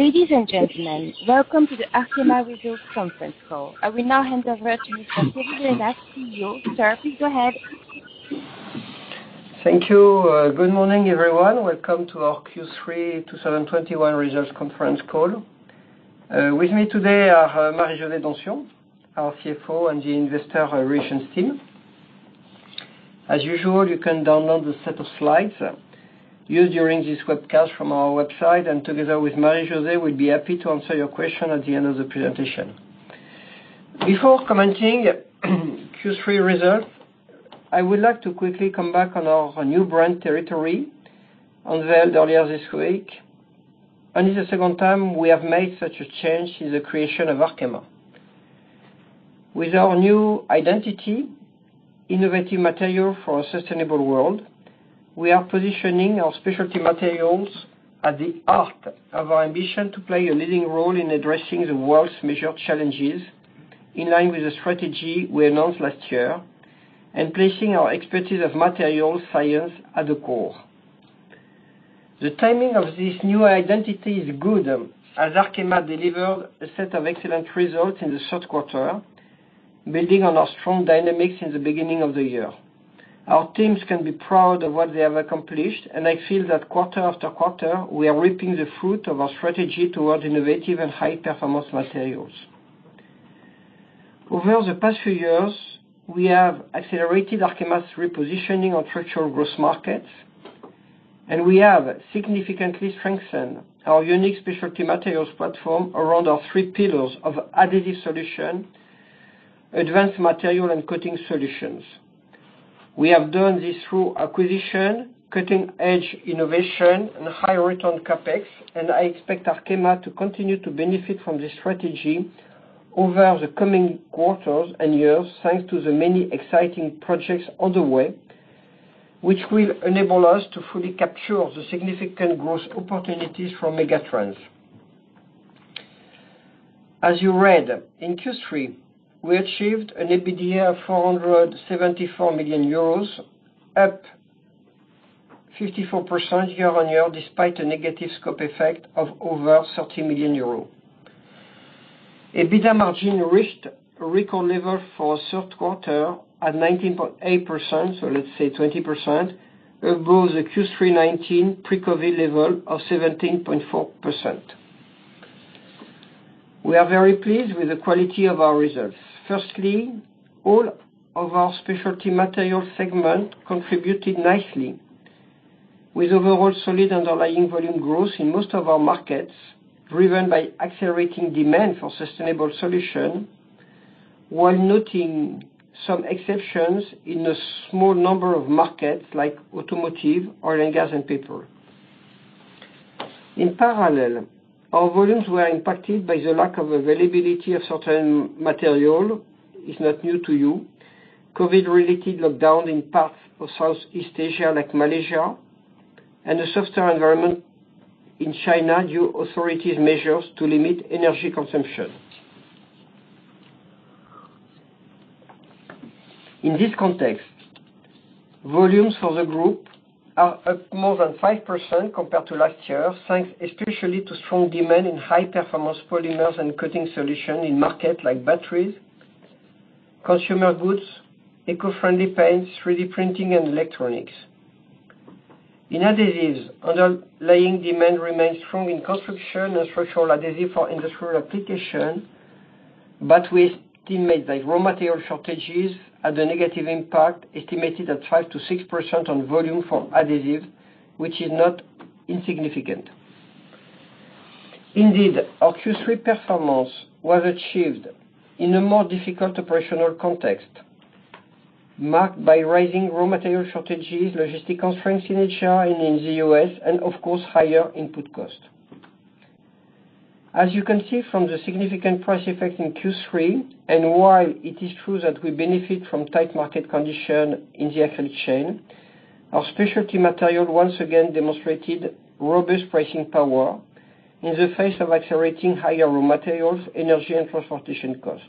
Ladies and gentlemen, welcome to the Arkema Results Conference Call. I will now hand over to Mr. Thierry Le Hénaff, CEO. Sir, please go ahead. Thank you. Good morning, everyone. Welcome to our Q3 2021 Results Conference Call. With me today are Marie-José Donsion, our CFO, and the investor relations team. As usual, you can download the set of slides used during this webcast from our website. Together with Marie-José Donsion, we'll be happy to answer your question at the end of the presentation. Before commenting Q3 results, I would like to quickly come back on our new brand territory unveiled earlier this week. It's the second time we have made such a change since the creation of Arkema. With our new identity, innovative material for a sustainable world, we are positioning our Specialty Materials at the heart of our ambition to play a leading role in addressing the world's major challenges, in line with the strategy we announced last year, and placing our expertise of material science at the core. The timing of this new identity is good, as Arkema delivered a set of excellent results in the third quarter, building on our strong dynamics in the beginning of the year. Our teams can be proud of what they have accomplished, and I feel that quarter after quarter, we are reaping the fruit of our strategy towards innovative and high-performance materials. Over the past few years, we have accelerated Arkema's repositioning on structural growth markets, and we have significantly strengthened our unique Specialty Materials platform around our three pillars of Adhesive Solutions, Advanced Materials, and Coating Solutions. We have done this through acquisition, cutting-edge innovation, and high return CapEx, and I expect Arkema to continue to benefit from this strategy over the coming quarters and years, thanks to the many exciting projects on the way, which will enable us to fully capture the significant growth opportunities from megatrends. As you read, in Q3, we achieved an EBITDA of 474 million euros, up 54% year-on-year, despite a negative scope effect of over 30 million euros. EBITDA margin reached a record level for a third quarter at 19.8%, so let's say 20%, above the Q3 2019 pre-COVID level of 17.4%. We are very pleased with the quality of our results. Firstly, all of our Specialty Materials segment contributed nicely, with overall solid underlying volume growth in most of our markets, driven by accelerating demand for sustainable solution, while noting some exceptions in a small number of markets like automotive, oil and gas, and paper. In parallel, our volumes were impacted by the lack of availability of certain material. It's not new to you. COVID-related lockdown in parts of Southeast Asia, like Malaysia, and a softer environment in China due to authorities' measures to limit energy consumption. In this context, volumes for the group are up more than 5% compared to last year, thanks especially to strong demand in high-performance polymers and Coating Solutions in market like batteries, consumer goods, eco-friendly paints, 3D printing, and electronics. In adhesives, underlying demand remains strong in construction and structural adhesive for industrial application, but we estimate that raw material shortages had a negative impact, estimated at 5%-6% on volume for adhesive, which is not insignificant. Indeed, our Q3 performance was achieved in a more difficult operational context, marked by rising raw material shortages, logistical constraints in Asia and in the U.S., and of course, higher input costs. As you can see from the significant price effect in Q3, and while it is true that we benefit from tight market condition in the acrylic chain, our Specialty Materials once again demonstrated robust pricing power in the face of accelerating higher raw materials, energy, and transportation costs.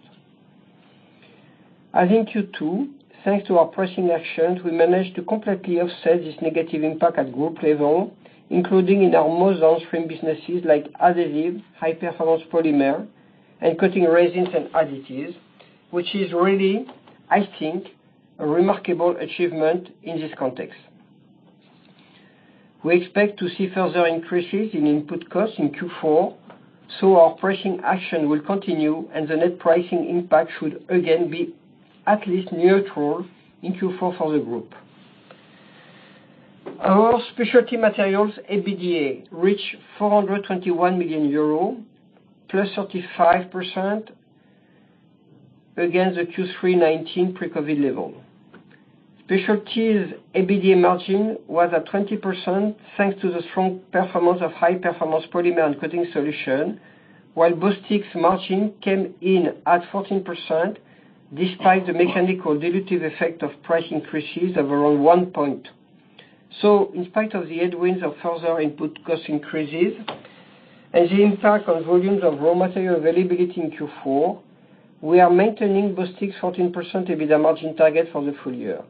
As in Q2, thanks to our pricing actions, we managed to completely offset this negative impact at group level, including in our most on-stream businesses like adhesives, high-performance polymer, and coating resins and additives, which is really, I think, a remarkable achievement in this context. We expect to see further increases in input costs in Q4, so our pricing action will continue, and the net pricing impact should again be at least neutral in Q4 for the group. Our Specialty Materials EBITDA reached EUR 421 million, +35% against the Q3 2019 pre-COVID level. Specialty's EBITDA margin was at 20% thanks to the strong performance of high-performance polymer and Coating Solutions, while Bostik's margin came in at 14% despite the mechanical dilutive effect of price increases of around one point. In spite of the headwinds of further input cost increases and the impact on volumes of raw material availability in Q4, we are maintaining Bostik's 14% EBITDA margin target for the full year.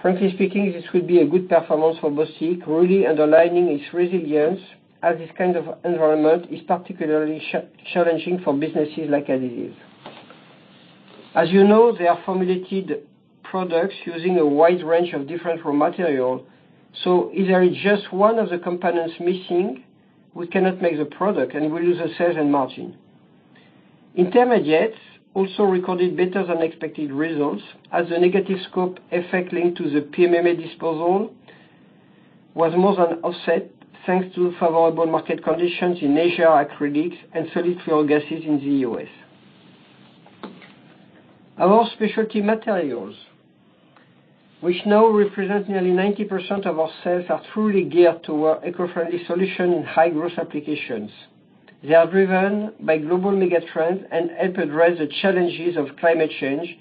Frankly speaking, this will be a good performance for Bostik, really underlining its resilience, as this kind of environment is particularly challenging for businesses like adhesive. As you know, they are formulated products using a wide range of different raw material. If there is just one of the components missing, we cannot make the product, and we lose the sales and margin. Intermediates also recorded better-than-expected results, as the negative scope effect linked to the PMMA disposal was more than offset, thanks to favorable market conditions in Asian acrylics and fluorogases in the US. Our Specialty Materials, which now represent nearly 90% of our sales, are truly geared toward eco-friendly solutions in high-growth applications. They are driven by global mega-trends and help address the challenges of climate change,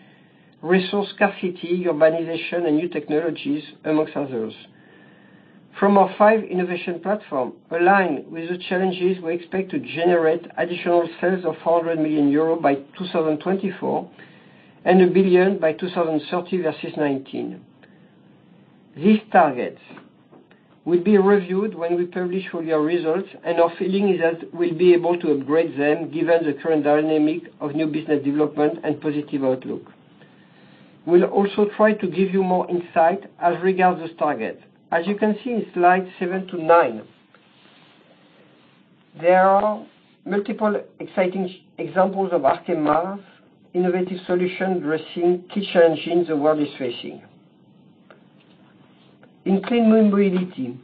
resource scarcity, urbanization, and new technologies, among others. From our five innovation platforms, aligned with the challenges we expect to generate additional sales of 100 million euro by 2024 and 1 billion by 2030 versus 2019. These targets will be reviewed when we publish full-year results, and our feeling is that we'll be able to upgrade them, given the current dynamic of new business development and positive outlook. We'll also try to give you more insight as regards this target. As you can see in slide seven to nine, there are multiple exciting examples of Arkema's innovative solutions addressing key challenges the world is facing. In clean mobility,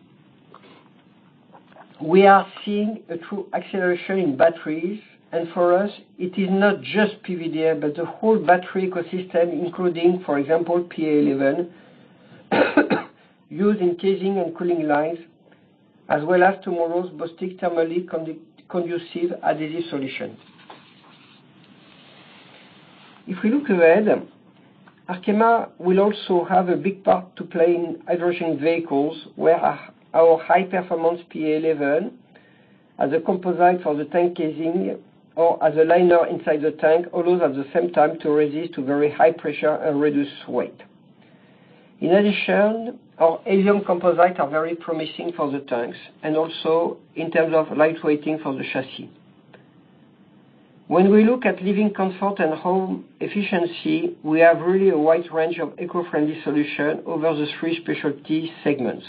we are seeing a true acceleration in batteries, and for us, it is not just PVDF, but the whole battery ecosystem, including, for example, PA11 used in casing and cooling lines, as well as tomorrow's Bostik thermally conducive adhesive solution. If we look ahead, Arkema will also have a big part to play in hydrogen vehicles, where our high-performance PA11 as a composite for the tank casing or as a liner inside the tank, allows at the same time to resist to very high pressure and reduce weight. In addition, our Elium composite are very promising for the tanks and also in terms of lightweighting for the chassis. When we look at living comfort and home efficiency, we have really a wide range of eco-friendly solution over the three specialty segments.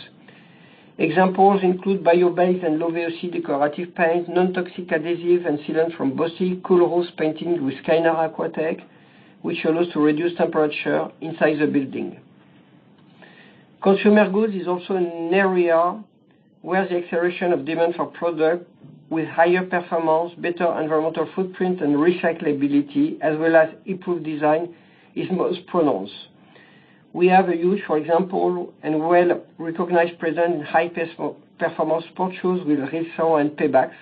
Examples include bio-based and low VOC decorative paint, nontoxic adhesive and sealant from Bostik, cool roofs painting with Kynar Aquatec, which allows to reduce temperature inside the building. Consumer goods is also an area where the acceleration of demand for product with higher performance, better environmental footprint, and recyclability, as well as improved design, is most pronounced. We have a huge, for example, and well-recognized presence in performance sports shoes with Rilsan and Pebax,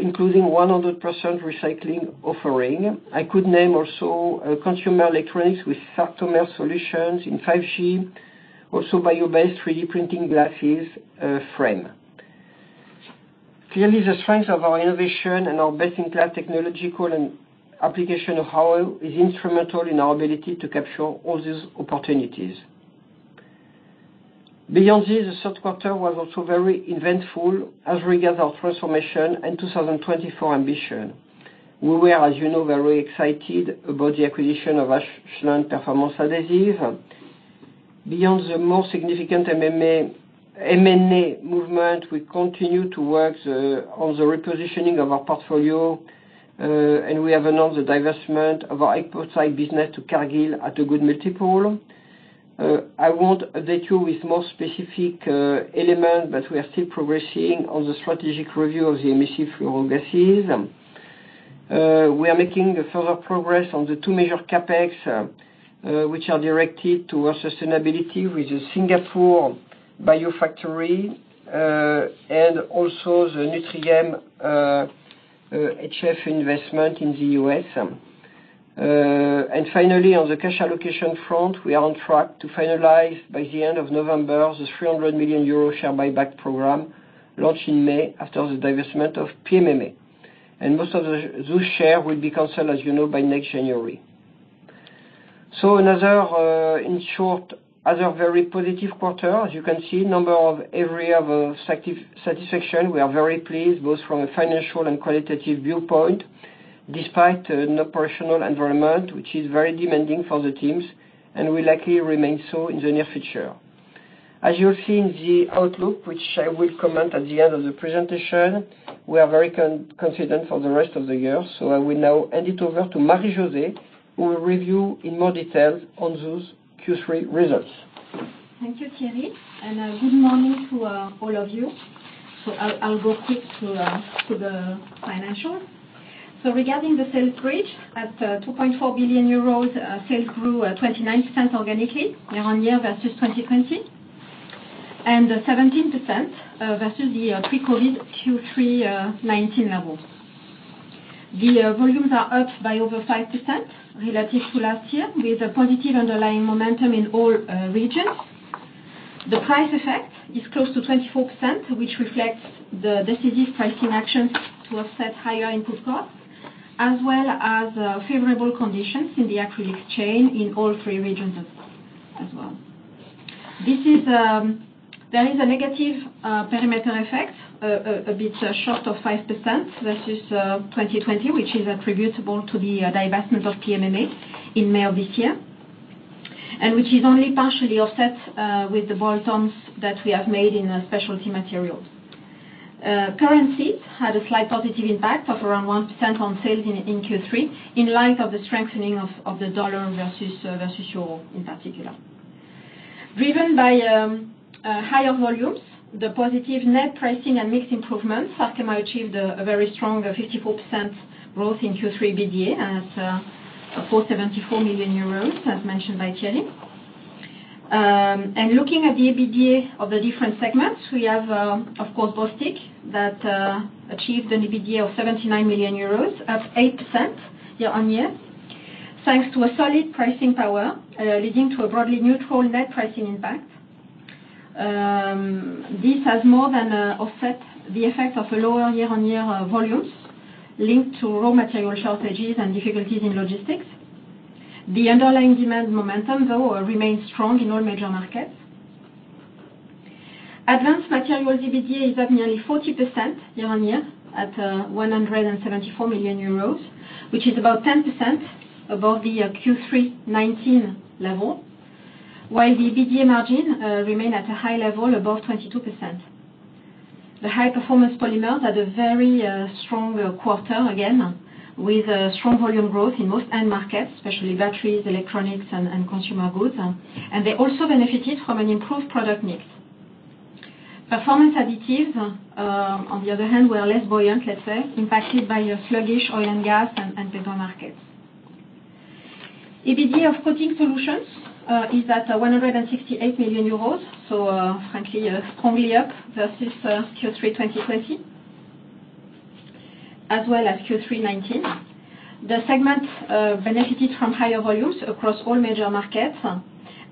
including 100% recycling offering. I could name also consumer electronics with Sartomer solutions in 5G, also bio-based, 3D printing glasses frame. Clearly, the strength of our innovation and our best-in-class technological and application knowhow is instrumental in our ability to capture all these opportunities. Beyond this, the third quarter was also very eventful as regards our transformation and 2024 ambition. We were, as you know, very excited about the acquisition of Ashland Performance Adhesives. Beyond the more significant M&A movement, we continue to work on the repositioning of our portfolio, and we have announced the divestment of our epoxides business to Cargill at a good multiple. I won't update you with more specific elements, but we are still progressing on the strategic review of the emissive fluorogases. We are making a further progress on the two major CapEx, which are directed towards sustainability with the Singapore bio-factory, and also the Nutrien HF investment in the U.S. Finally, on the cash allocation front, we are on track to finalize, by the end of November, the 300 million euro share buyback program launched in May after the divestment of PMMA. Most of those shares will be canceled, as you know, by next January. In short, another very positive quarter. As you can see, a number of areas of satisfaction. We are very pleased, both from a financial and qualitative viewpoint, despite an operational environment which is very demanding for the teams and will likely remain so in the near future. As you'll see in the outlook, which I will comment at the end of the presentation, we are very confident for the rest of the year. I will now hand it over to Marie-José Donsion, who will review in more detail on those Q3 results. Thank you, Thierry. Good morning to all of you. I'll go quick through the financials. Regarding the sales brief, at 2.4 billion euros, sales grew 29% organically year-on-year versus 2020, and 17% versus the pre-COVID Q3 2019 level. The volumes are up by over 5% relative to last year, with a positive underlying momentum in all regions. The price effect is close to 24%, which reflects the decisive pricing actions to offset higher input costs, as well as favorable conditions in the acrylic chain in all three regions as well. There is a negative perimeter effect a bit short of 5% versus 2020, which is attributable to the divestment of PMMA in May of this year, and which is only partially offset with the bolt-ons that we have made in specialty materials. Currency had a slight positive impact of around 1% on sales in Q3 in light of the strengthening of the dollar versus euro, in particular. Driven by higher volumes, the positive net pricing and mix improvements, Arkema achieved a very strong 54% growth in Q3 EBITDA at 474 million euros, as mentioned by Thierry. Looking at the EBITDA of the different segments, we have, of course, Bostik that achieved an EBITDA of 79 million euros, up 8% year-on-year, thanks to a solid pricing power, leading to a broadly neutral net pricing impact. This has more than offset the effect of lower year-on-year volumes linked to raw material shortages and difficulties in logistics. The underlying demand momentum, though, remains strong in all major markets. Advanced Materials EBITDA is up nearly 40% year-on-year at 174 million euros, which is about 10% above the Q3 2019 level, while the EBITDA margin remain at a high level above 22%. High Performance Polymers had a very strong quarter again with strong volume growth in most end markets, especially batteries, electronics, and consumer goods. They also benefited from an improved product mix. Performance Additives, on the other hand, were less buoyant, let's say, impacted by a sluggish oil and gas and paper markets. EBITDA of Coating Solutions is at 168 million euros, so, frankly, strongly up versus Q3 2020, as well as Q3 2019. The segment benefited from higher volumes across all major markets,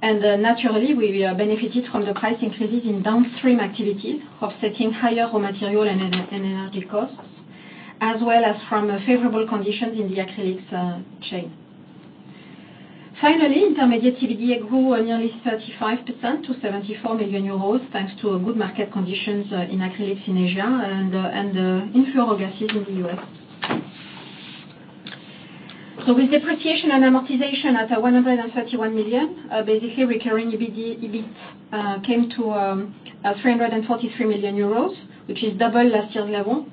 and, naturally, we benefited from the price increases in downstream activities, offsetting higher raw material and energy costs, as well as from favorable conditions in the acrylics chain. Finally, Intermediates EBITDA grew nearly 35% to 74 million euros, thanks to good market conditions in acrylics in Asia and in fluorogases in the U.S. With depreciation and amortization at 131 million, basically recurring EBITDA came to 343 million euros, which is double last year's level,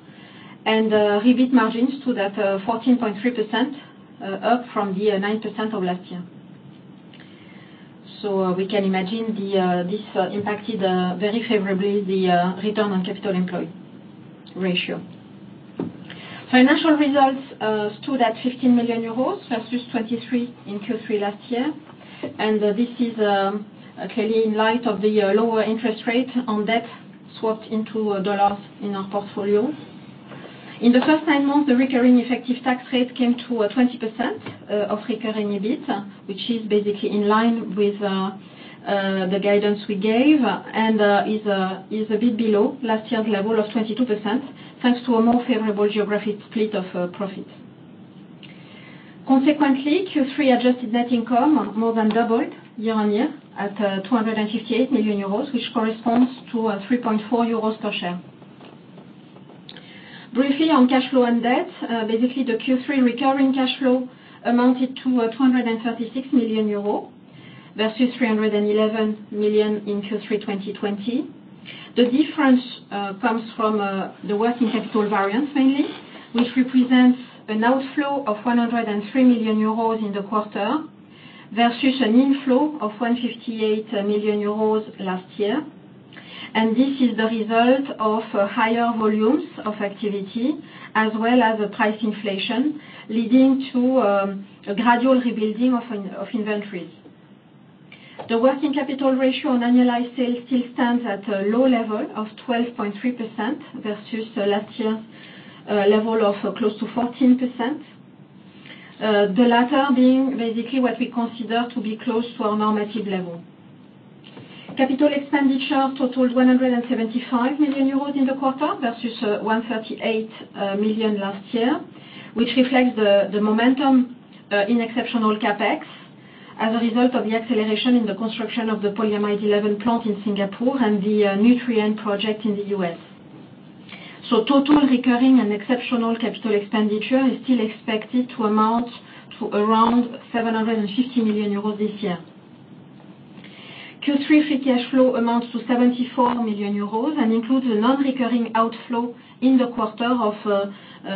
and EBIT margins stood at 14.3%, up from the 9% of last year. We can imagine this impacted very favorably the return on capital employed ratio. Financial results stood at 15 million euros versus 23 million in Q3 last year, and this is clearly in light of the lower interest rate on debt swapped into dollars in our portfolio. In the first nine months, the recurring effective tax rate came to 20% of recurring EBIT, which is basically in line with the guidance we gave and is a bit below last year's level of 22%, thanks to a more favorable geographic split of profits. Consequently, Q3 adjusted net income more than doubled year-on-year at 258 million euros, which corresponds to 3.4 euros per share. Briefly on cash flow and debt, basically the Q3 recurring cash flow amounted to 236 million euro versus 311 million in Q3 2020. The difference comes from the working capital variance mainly, which represents an outflow of 103 million euros in the quarter versus an inflow of 158 million euros last year. This is the result of higher volumes of activity as well as price inflation, leading to a gradual rebuilding of inventories. The working capital ratio on annualized sales still stands at a low level of 12.3% versus last year's level of close to 14%. The latter being basically what we consider to be close to a normative level. Capital expenditure totaled 175 million euros in the quarter versus 138 million last year, which reflects the momentum in exceptional CapEx as a result of the acceleration in the construction of the polyamide 11 plant in Singapore and the Nutrien project in the U.S. Total recurring and exceptional capital expenditure is still expected to amount to around 750 million euros this year. Q3 free cash flow amounts to 74 million euros and includes a non-recurring outflow in the quarter of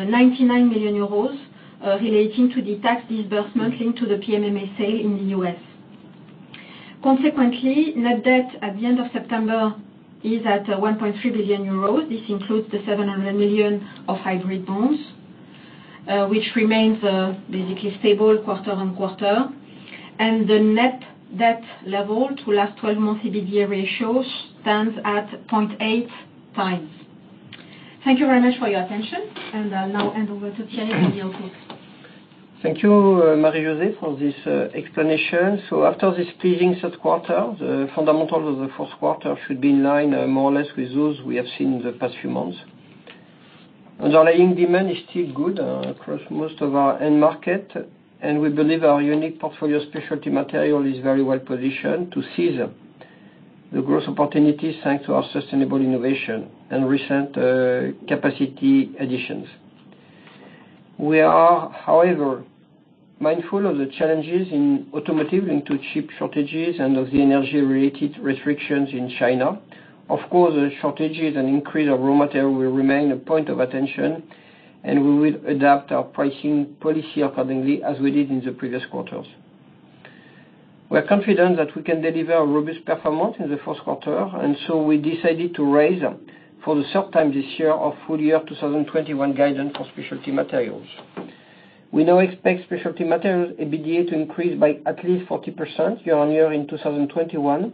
99 million euros relating to the tax disbursement linked to the PMMA sale in the U.S. Consequently, net debt at the end of September is at 1.3 billion euros. This includes the 700 million of hybrid bonds, which remains basically stable quarter on quarter. The net debt level to last twelve months EBITDA ratio stands at 0.8x. Thank you very much for your attention, and I'll now hand over to Thierry for the outlook. Thank you, Marie-José Donsion, for this explanation. After this pleasing third quarter, the fundamentals of the fourth quarter should be in line more or less with those we have seen in the past few months. The underlying demand is still good across most of our end markets, and we believe our unique portfolio, Specialty Materials, is very well positioned to seize the growth opportunities thanks to our sustainable innovation and recent capacity additions. We are, however, mindful of the challenges in automotive due to chip shortages and of the energy-related restrictions in China. Of course, the shortages and increases in raw materials will remain a point of attention, and we will adapt our pricing policy accordingly, as we did in the previous quarters. We are confident that we can deliver a robust performance in the fourth quarter, and so we decided to raise for the third time this year our full year 2021 guidance for Specialty Materials. We now expect Specialty Materials EBITDA to increase by at least 40% year-over-year in 2021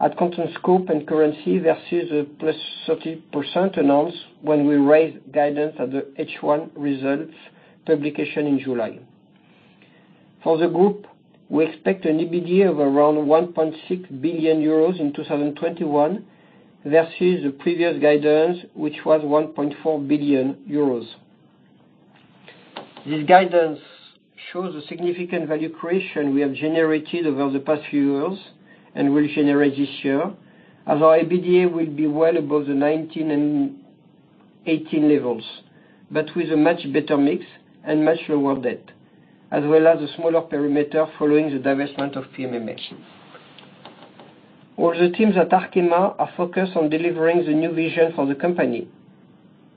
at constant scope and currency versus the +30% announced when we raised guidance at the H1 results publication in July. For the group, we expect an EBITDA of around 1.6 billion euros in 2021 versus the previous guidance, which was 1.4 billion euros. This guidance shows a significant value creation we have generated over the past few years and will generate this year, as our EBITDA will be well above the 2019 and 2018 levels, but with a much better mix and much lower debt, as well as a smaller perimeter following the divestment of PMMA. All the teams at Arkema are focused on delivering the new vision for the company,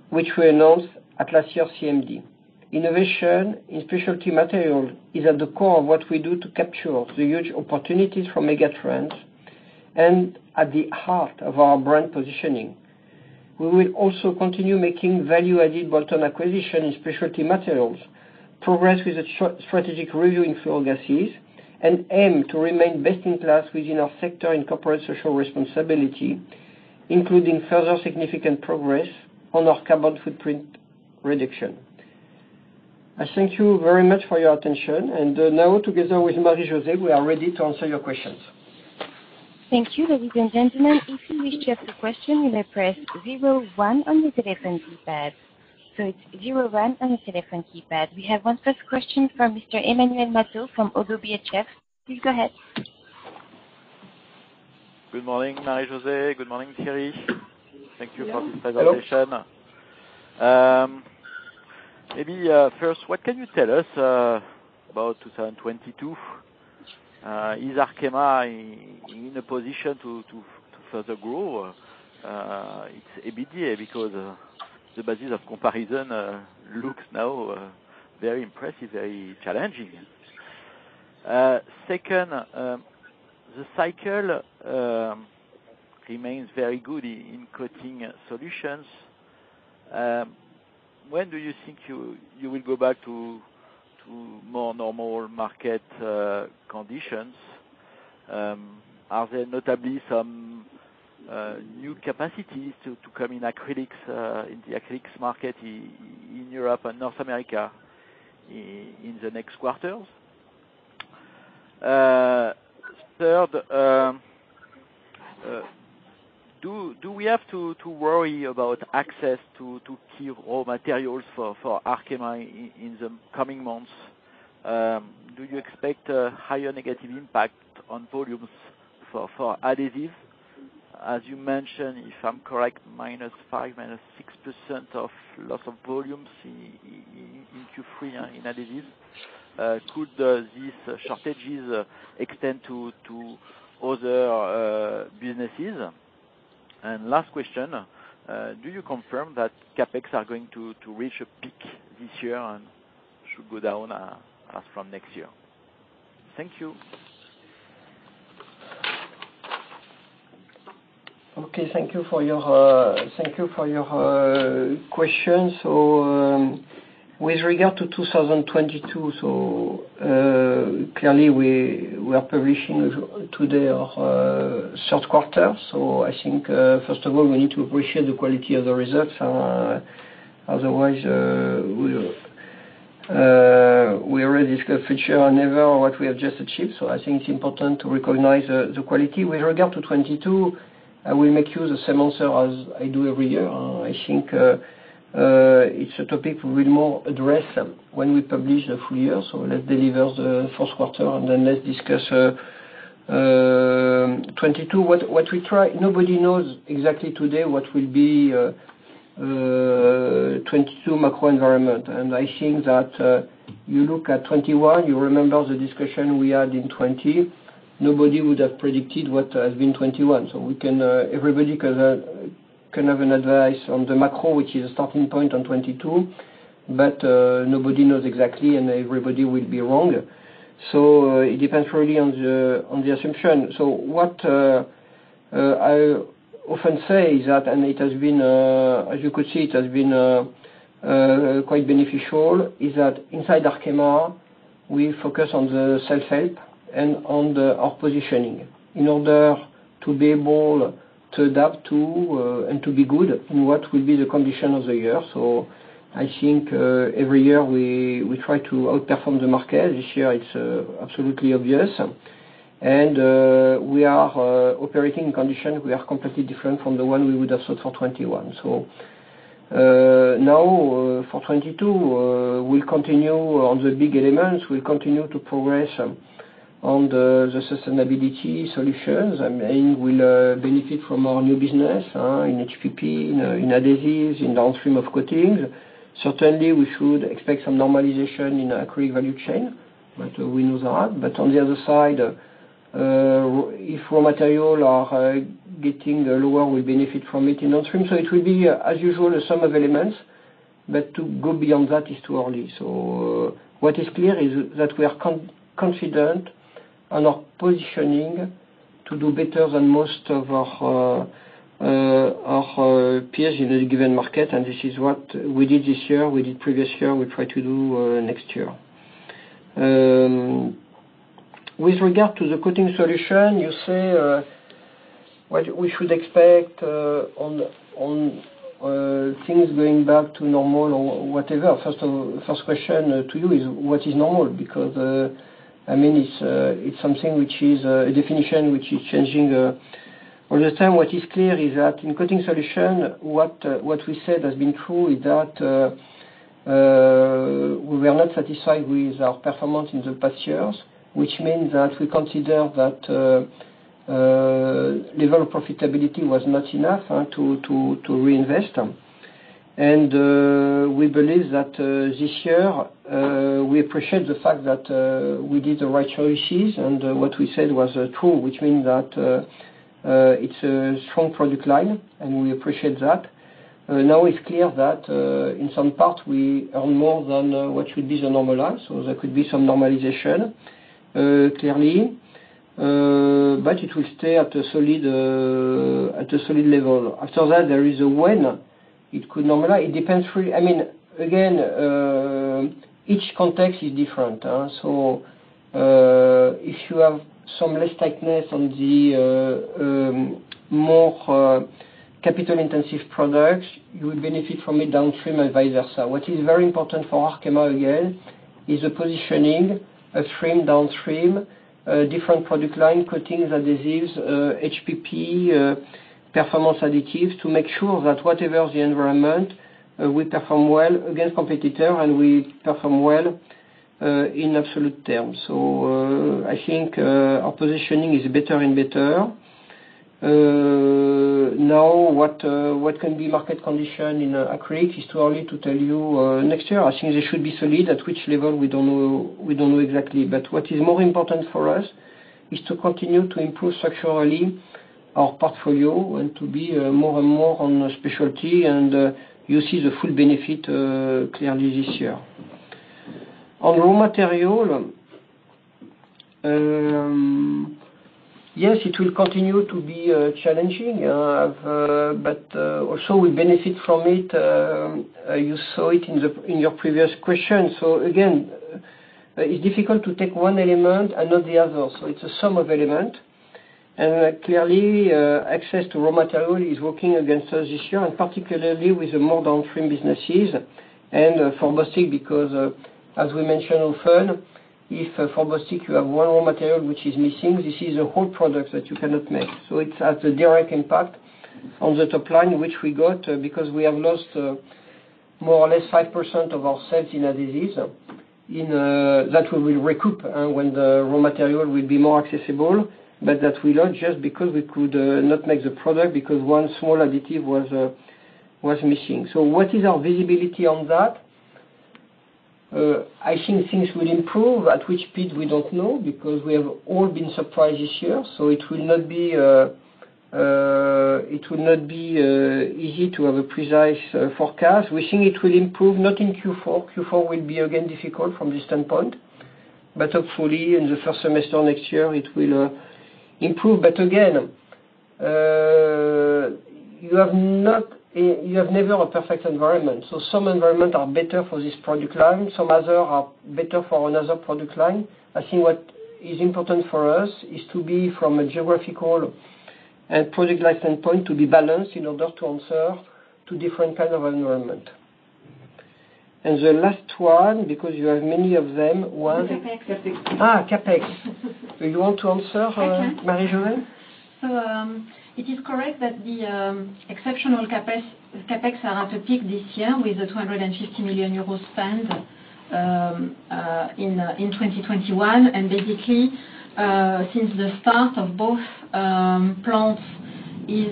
which we announced at last year's CMD. Innovation in Specialty Materials is at the core of what we do to capture the huge opportunities from mega trends and at the heart of our brand positioning. We will also continue making value-added bolt-on acquisition in Specialty Materials, progress with a strategic review in Fluorogases, and aim to remain best-in-class within our sector in corporate social responsibility, including further significant progress on our carbon footprint reduction. I thank you very much for your attention, and now, together with Marie-José Donsion, we are ready to answer your questions. Thank you. Ladies and gentlemen, if you wish to ask a question, you may press zero one on your telephone keypad. It's zero one on your telephone keypad. We have our first question from Mr. Emmanuel Matot from Oddo BHF. Please go ahead. Good morning, Marie-José Donsion. Good morning, Thierry. Hello. Thank you for this presentation. Maybe first, what can you tell us about 2022? Is Arkema in a position to further grow its EBITDA? Because the basis of comparison looks now very impressive, very challenging. Second, the cycle remains very good in Coating Solutions. When do you think you will go back to more normal market conditions? Are there notably some new capacities to come in acrylics in the acrylics market in Europe and North America in the next quarters? Third, do we have to worry about access to key raw materials for Arkema in the coming months? Do you expect a higher negative impact on volumes for adhesive? As you mentioned, if I'm correct, -5% to -6% loss of volumes in Q3 in adhesive. Could these shortages extend to other businesses? Last question, do you confirm that CapEx are going to reach a peak this year and should go down as from next year? Thank you. Okay. Thank you for your questions. With regard to 2022, clearly we are publishing today our third quarter. I think, first of all, we need to appreciate the quality of the results. Otherwise, we'll already discuss the future and never what we have just achieved. I think it's important to recognize the quality. With regard to 2022, I will make you the same answer as I do every year. I think it's a topic we'll more address when we publish the full year. Let's deliver the fourth quarter, and then let's discuss 2022. Nobody knows exactly today what will be 2022 macro environment. I think that you look at 2021, you remember the discussion we had in 2020. Nobody would have predicted what has been 2021. Everybody can have an advice on the macro, which is a starting point on 2022, but nobody knows exactly, and everybody will be wrong. It depends really on the assumption. What I often say is that, and it has been, as you could see, quite beneficial, that inside Arkema, we focus on the self-help and on our positioning in order to be able to adapt to and to be good in what will be the condition of the year. I think every year, we try to outperform the market. This year, it's absolutely obvious. We are operating in conditions that are completely different from the one we would have thought for 2021. Now, for 2022, we continue on the big elements. We continue to progress on the sustainability solutions. I mean, we will benefit from our new business in HPP, in adhesives, in downstream of coatings. Certainly, we should expect some normalization in acrylic value chain, but we know that. On the other side, if raw materials are getting lower, we benefit from it in upstream. It will be, as usual, a sum of elements, but to go beyond that is too early. What is clear is that we are confident on our positioning to do better than most of our peers in any given market, and this is what we did this year, we did previous year, we try to do next year. With regard to the Coating Solutions, you say what we should expect on things going back to normal or whatever. First question to you is what is normal? Because, I mean, it's something which is a definition which is changing all the time. What is clear is that in Coating Solutions, what we said has been true, is that we were not satisfied with our performance in the past years, which means that we consider that level of profitability was not enough to reinvest. We believe that this year we appreciate the fact that we did the right choices and what we said was true, which means that it's a strong product line, and we appreciate that. Now it's clear that in some parts, we earn more than what should be the normal line, so there could be some normalization, clearly. But it will stay at a solid level. After that, the question is when it could normalize. It depends really, I mean, again, each context is different. If you have some less tightness on the more capital-intensive products, you would benefit from the downstream and vice versa. What is very important for Arkema, again, is a positioning upstream, downstream, different product line, coatings, adhesives, HPP, Performance Additives, to make sure that whatever the environment, we perform well against competitors and we perform well in absolute terms. I think our positioning is better and better. Now, what the market conditions in acrylics are too early to tell you. Next year, I think they should be solid. At which level, we don't know, we don't know exactly. What is more important for us is to continue to improve structurally our portfolio and to be more and more on specialties, and you see the full benefit clearly this year. On raw materials, yes, it will continue to be challenging, but also we benefit from it. You saw it in your previous question. Again, it's difficult to take one element and not the other. It's a sum of element. Clearly, access to raw material is working against us this year, and particularly with the more downstream businesses and for plastic, because, as we mentioned often, if for plastic you have one raw material which is missing, this is a whole product that you cannot make. It has a direct impact on the top line, which we got because we have lost, more or less 5% of our sales in adhesives that we will recoup when the raw material will be more accessible. But that we lost just because we could not make the product because one small additive was missing. What is our visibility on that? I think things will improve. At which speed, we don't know, because we have all been surprised this year. It will not be easy to have a precise forecast. We think it will improve, not in Q4. Q4 will be again difficult from this standpoint, hopefully in the first semester next year it will improve. Again, you have never a perfect environment. Some environment are better for this product line, some other are better for another product line. I think what is important for us is to be from a geographical and product line standpoint, to be balanced in order to answer to different kind of environment. The last one, because you have many of them, one- CapEx. CapEx. Do you want to answer, Marie-José Donsion? I can. It is correct that the exceptional CapEx is at a peak this year with a 250 million euro spend in 2021. Basically, since the start of both plants is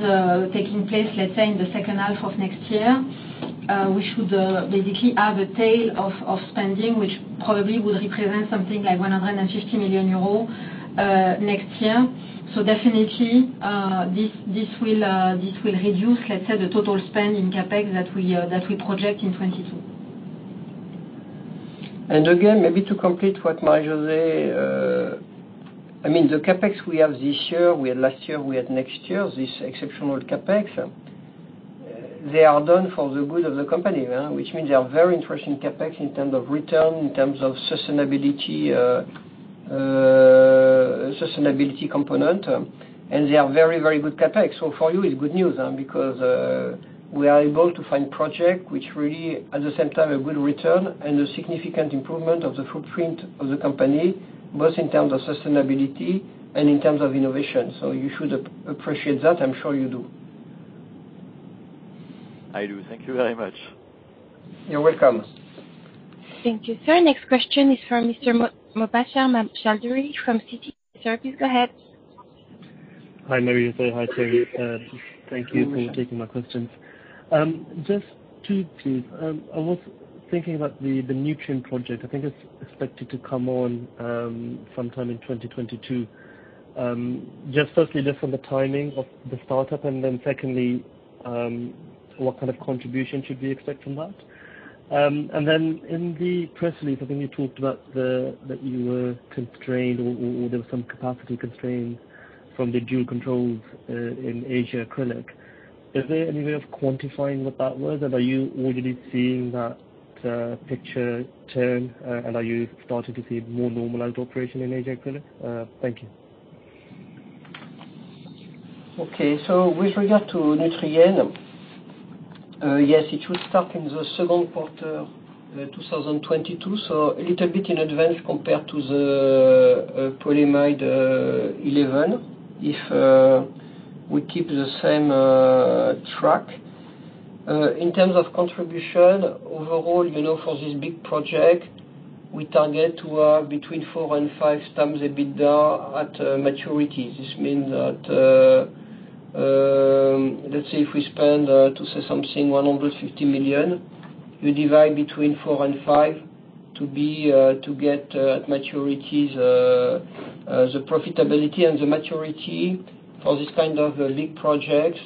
taking place, let's say, in the second half of next year, we should basically have a tail of spending, which probably would represent something like 150 million euros next year. Definitely, this will reduce, let's say, the total spend in CapEx that we project in 2022. Again, maybe to complete what Marie-José Donsion, I mean, the CapEx we have this year, we had last year, we had next year, this exceptional CapEx, they are done for the good of the company, which means they are very interesting CapEx in terms of return, in terms of sustainability component, and they are very, very good CapEx. For you, it's good news, because we are able to find project which really at the same time a good return and a significant improvement of the footprint of the company, both in terms of sustainability and in terms of innovation. You should appreciate that. I'm sure you do. I do. Thank you very much. You're welcome. Thank you, sir. Next question is from Mr. Mubasher Chaudhry from Citi. Sir, please go ahead. Hi, Marie-José Donsion,. Hi, Thierry. Thank you for taking my questions. Just two, please. I was thinking about the Nutrien project. I think it's expected to come on sometime in 2022. Just firstly, just on the timing of the startup, and then secondly, what kind of contribution should we expect from that? And then in the press release, I think you talked about that you were constrained or there was some capacity constraint from the dual controls in Asia acrylic. Is there any way of quantifying what that was? And are you already seeing that picture turn, and are you starting to see more normalized operation in Asia acrylic? Thank you. Okay. With regard to Nutrien, yes, it will start in the second quarter, 2022, so a little bit in advance compared to the polyamide 11 if we keep the same track. In terms of contribution, overall, you know, for this big project, we target to have between 4x and 5x EBITDA at maturity. This means that, let's say if we spend, to say something, 150 million, we derive between four and five to get at maturity the profitability and the maturity for this kind of a big project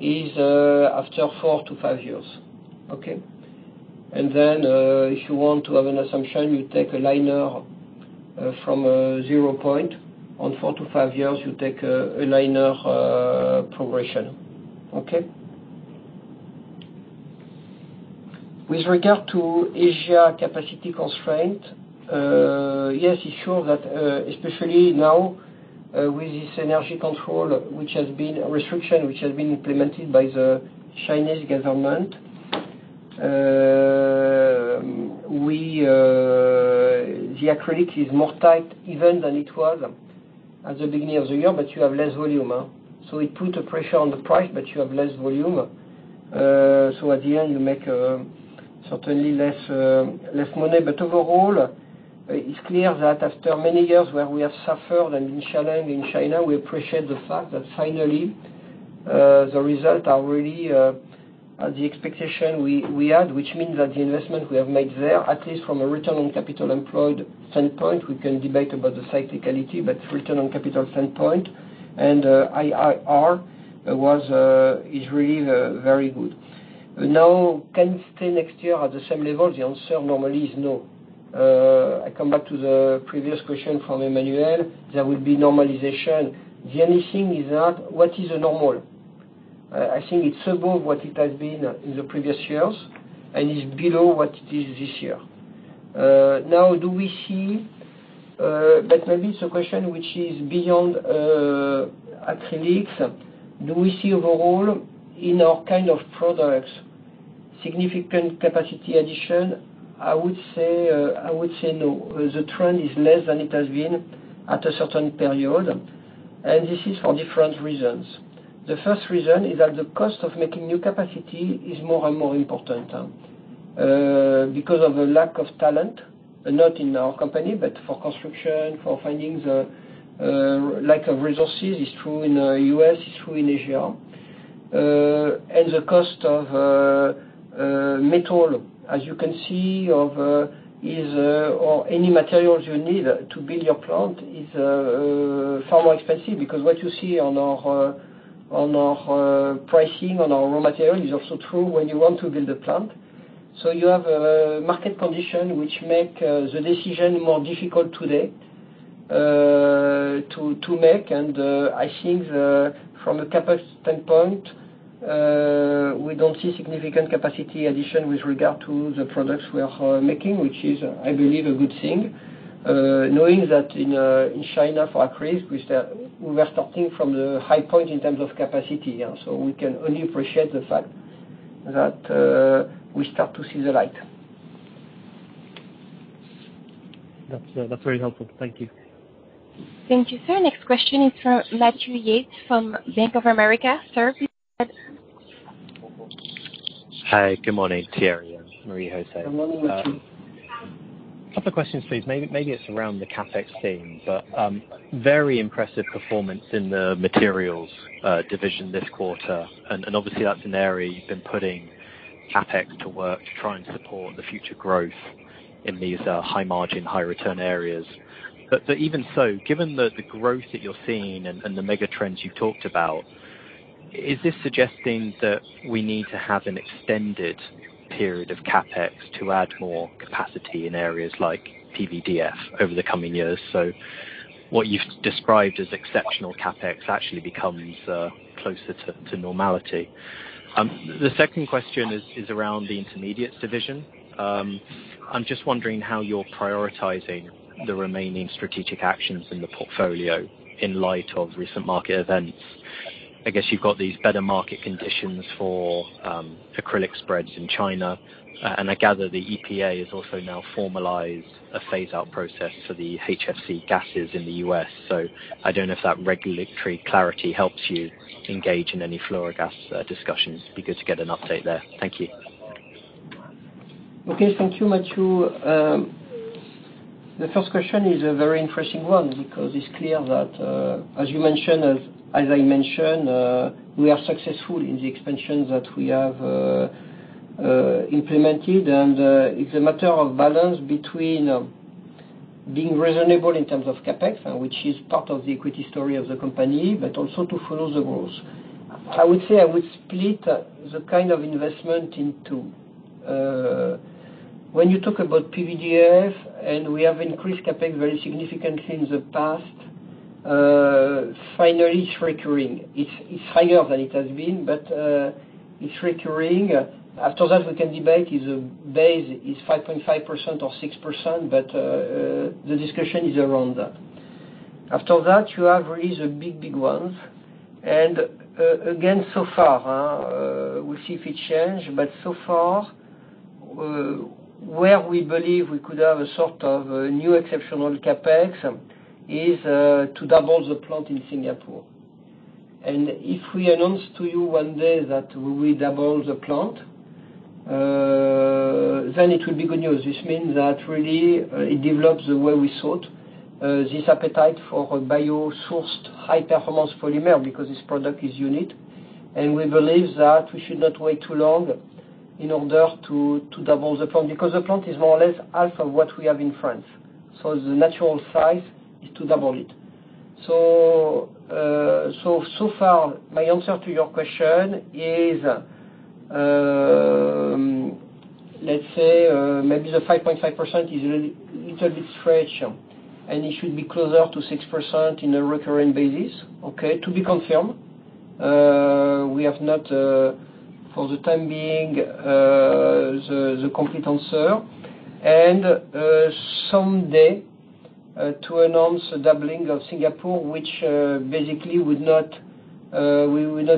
is after four to five years. Okay? If you want to have an assumption, you take a linear from a zero point. On four to five years, you take a linear progression. With regard to Asia capacity constraint, yes, it's sure that, especially now, with this restriction which has been implemented by the Chinese government, the acrylic is more tight even than it was at the beginning of the year, but you have less volume. It put a pressure on the price, but you have less volume. At the end, you make certainly less money. Overall, it's clear that after many years where we have suffered and challenged in China, we appreciate the fact that finally the results are really at the expectation we had, which means that the investment we have made there, at least from a return on capital employed standpoint, we can debate about the cyclicality, but return on capital standpoint and IRR is really very good. Now can it stay next year at the same level? The answer normally is no. I come back to the previous question from Emmanuel. There will be normalization. The only thing is that what is the normal? I think it's above what it has been in the previous years and is below what it is this year. Now do we see, but maybe it's a question which is beyond acrylics. Do we see overall in our kind of products significant capacity addition? I would say no. The trend is less than it has been at a certain period, and this is for different reasons. The first reason is that the cost of making new capacity is more and more important because of a lack of talent, not in our company, but for construction, for finding the lack of resources. It's true in U.S., it's true in Asia. The cost of metal, as you can see, or any materials you need to build your plant is far more expensive because what you see on our pricing, on our raw material is also true when you want to build a plant. You have a market condition which makes the decision more difficult today to make. I think from a CapEx standpoint we don't see significant capacity addition with regard to the products we are making, which is, I believe, a good thing knowing that in China for acrylics, we were starting from the high point in terms of capacity. We can only appreciate the fact that we start to see the light. That's very helpful. Thank you. Thank you, sir. Next question is from Matthew Yates from Bank of America. Sir, please go ahead. Hi. Good morning, Thierry and Marie-José Donsion. Good morning, Matthew. A couple questions, please. Maybe it's around the CapEx theme, but very impressive performance in the materials division this quarter. Obviously that's an area you've been putting CapEx to work to try and support the future growth in these high margin, high return areas. Even so, given the growth that you're seeing and the mega trends you talked about, is this suggesting that we need to have an extended period of CapEx to add more capacity in areas like PVDF over the coming years? What you've described as exceptional CapEx actually becomes closer to normality. The second question is around the Intermediates division. I'm just wondering how you're prioritizing the remaining strategic actions in the portfolio in light of recent market events. I guess you've got these better market conditions for acrylic spreads in China, and I gather the EPA has also now formalized a phase out process for the HFC gases in the U.S. I don't know if that regulatory clarity helps you engage in any fluorogases discussions. Be good to get an update there. Thank you. Okay. Thank you, Matthew. The first question is a very interesting one because it's clear that, as you mentioned, as I mentioned, we are successful in the expansion that we have implemented. It's a matter of balance between being reasonable in terms of CapEx, which is part of the equity story of the company, but also to follow the growth. I would split the kind of investment in two. When you talk about PVDF, and we have increased CapEx very significantly in the past, finally it's recurring. It's higher than it has been, but it's recurring. After that, we can debate if the base is 5.5% or 6%, but the discussion is around that. After that, you have really the big ones. Again, so far, we'll see if it change, but so far, where we believe we could have a sort of a new exceptional CapEx is to double the plant in Singapore. If we announce to you one day that we double the plant, then it will be good news. This means that really, it develops the way we thought, this appetite for bio-sourced high-performance polymer because this product is unique, and we believe that we should not wait too long in order to double the plant. Because the plant is more or less half of what we have in France, so the natural size is to double it. So far my answer to your question is, let's say, maybe the 5.5% is a little bit fresh, and it should be closer to 6% in a recurring basis, okay? To be confirmed. We have not, for the time being, the complete answer. Someday to announce a doubling of Singapore, which basically we would not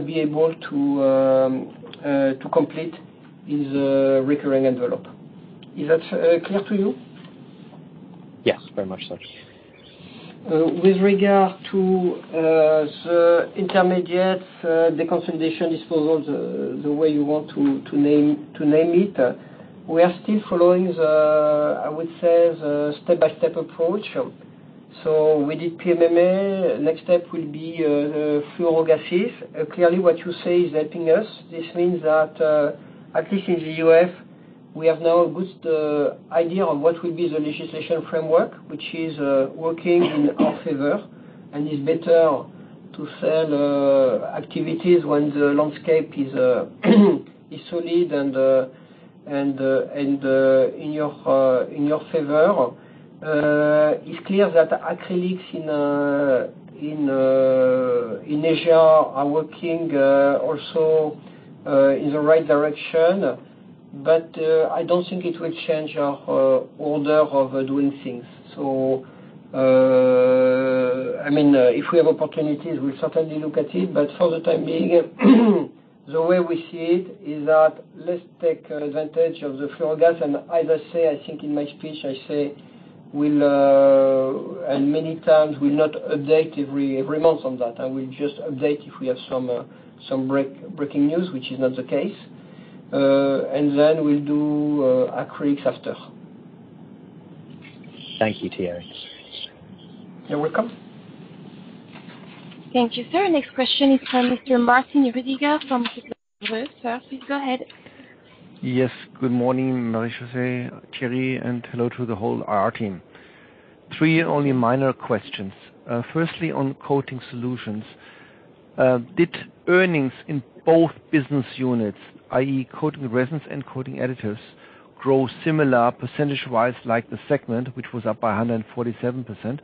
be able to complete its recurring envelope. Is that clear to you? Yes, very much so. With regard to the Intermediates, the consolidation disposal, the way you want to name it, we are still following, I would say, the step-by-step approach. We did PMMA. Next step will be the Fluorogases. Clearly what you say is helping us. This means that at least in the U.S., we have now a good idea on what will be the legislation framework which is working in our favor and is better to sell activities when the landscape is solid and in your favor. It's clear that acrylics in Asia are working also in the right direction, but I don't think it will change our order of doing things. I mean, if we have opportunities, we'll certainly look at it. For the time being, the way we see it is that let's take advantage of the Fluorogases. As I say, I think in my speech I say we'll, and many times we'll not update every month on that. I will just update if we have some breaking news, which is not the case. Then we'll do acrylics after. Thank you, Thierry. You're welcome. Thank you, sir. Next question is from Mr. Martin Roediger from Jefferies. Sir, please go ahead. Yes, good morning, Marie-José Donsion, Thierry, and hello to the whole RR team. Three only minor questions. Firstly, on Coating Solutions, did earnings in both business units, i.e., Coating Resins and Coating Additives, grow similar percentage-wise like the segment, which was up by 147%?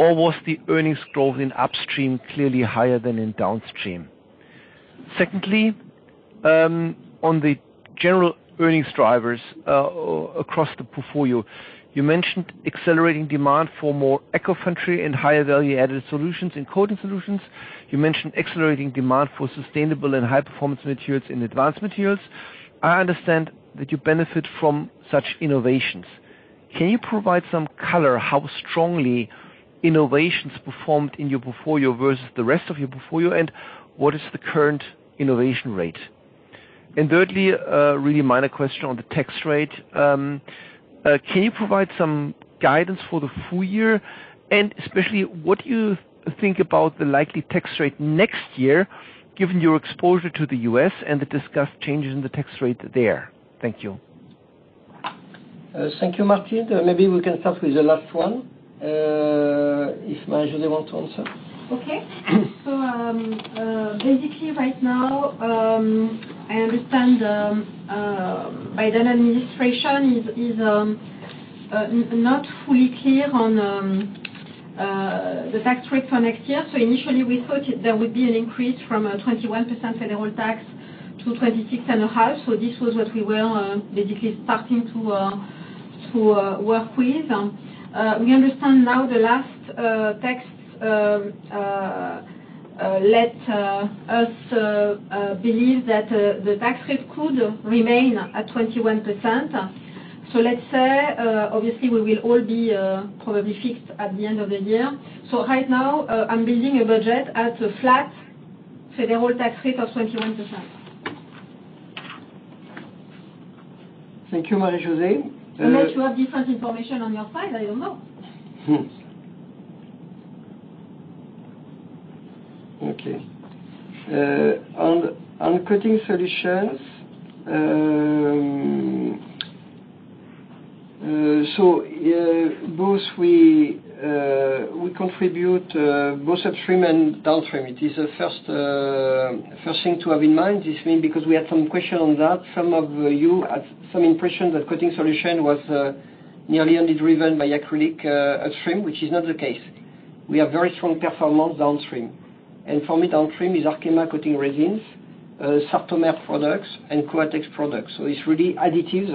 Or was the earnings growth in upstream clearly higher than in downstream? Secondly, on the general earnings drivers across the portfolio, you mentioned accelerating demand for more eco-friendly and higher value-added solutions in Coating Solutions. You mentioned accelerating demand for sustainable and high-performance materials in Advanced Materials. I understand that you benefit from such innovations. Can you provide some color how strongly innovations performed in your portfolio versus the rest of your portfolio, and what is the current innovation rate? Thirdly, a really minor question on the tax rate. Can you provide some guidance for the full year? Especially what do you think about the likely tax rate next year, given your exposure to the U.S. and the discussed changes in the tax rate there? Thank you. Thank you, Martin. Maybe we can start with the last one, if Marie-José Donsion wants to answer. Okay. Basically right now, I understand, the Biden administration is not fully clear on the tax rate for next year. Initially we thought there would be an increase from a 21% federal tax to 26.5%. This was what we were basically starting to work with. We understand now the latest tax bill lets us believe that the tax rate could remain at 21%. Let's say, obviously we will all be probably fixed at the end of the year. Right now, I'm building a budget at a flat federal tax rate of 21%. Thank you, Marie-José Donsion. Unless you have different information on your side, I don't know. On Coating Solutions, we contribute both upstream and downstream. It is the first thing to have in mind. This means because we had some question on that. Some of you had some impression that Coating Solution was nearly only driven by acrylic upstream, which is not the case. We have very strong performance downstream. For me, downstream is Arkema Coating Resins, Sartomer products and Coatex products. It's really additives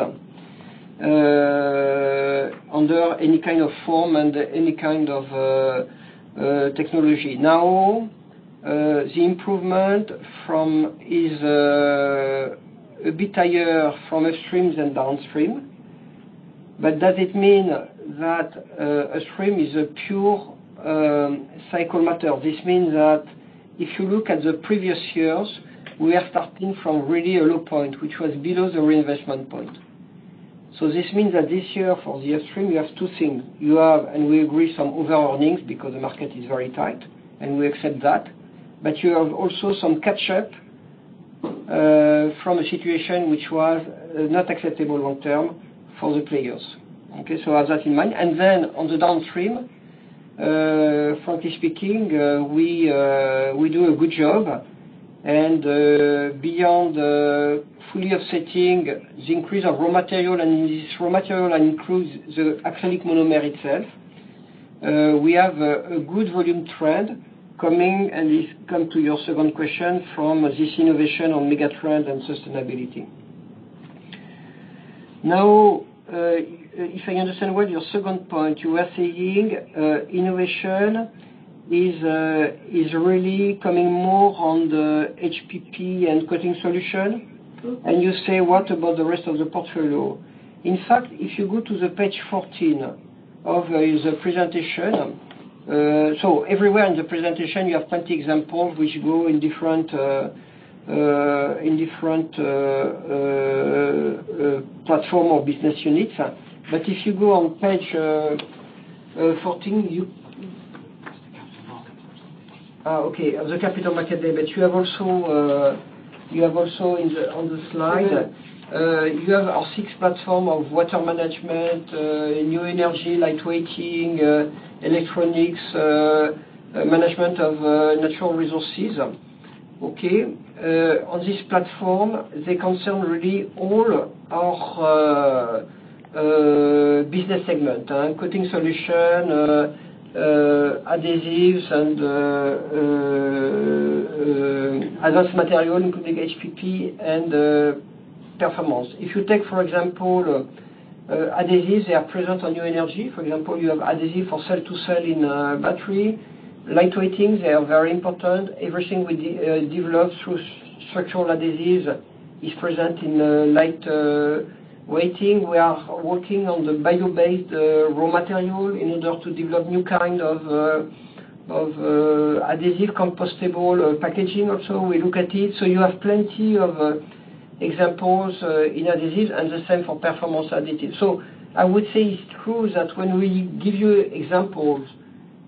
under any kind of form and any kind of technology. Now, the improvement from is a bit higher from upstream than downstream. Does it mean that upstream is a pure cyclical matter? This means that if you look at the previous years, we are starting from really a low point, which was below the reinvestment point. This means that this year for the upstream, you have two things. You have, and we agree, some overearnings because the market is very tight, and we accept that. You have also some catch up from a situation which was not acceptable long term for the players. Okay? Have that in mind. Then on the downstream, frankly speaking, we do a good job. Beyond fully offsetting the increase of raw material and this raw material includes the acrylic monomer itself, we have a good volume trend coming. This come to your second question from this innovation on mega trend and sustainability. Now, if I understand well your second point, you are saying, innovation is really coming more on the HPP and Coating Solutions. Mm-hmm. You say, "What about the rest of the portfolio?" In fact, if you go to page 14 of the presentation. Everywhere in the presentation you have plenty examples which go in different platform or business units. If you go on page 14, you... Oh, okay. The Capital Markets Day. You have also on the slide. Right. You have our six platforms of Water Management, New Energy, Lightweighting, Electronics, Management of Natural Resources. On this platform, they concern really all our business segments, Coating Solutions, Adhesive Solutions and Advanced Materials, including HPP and Performance Additives. If you take, for example, adhesives, they are present on New Energy. For example, you have adhesive from cell to cell in battery. Lightweighting, they are very important. Everything we develop through structural adhesives is present in lightweighting. We are working on the bio-based raw material in order to develop new kind of adhesive compostable packaging also. We look at it. You have plenty of examples in adhesive, and the same for Performance Additives. I would say it's true that when we give you examples,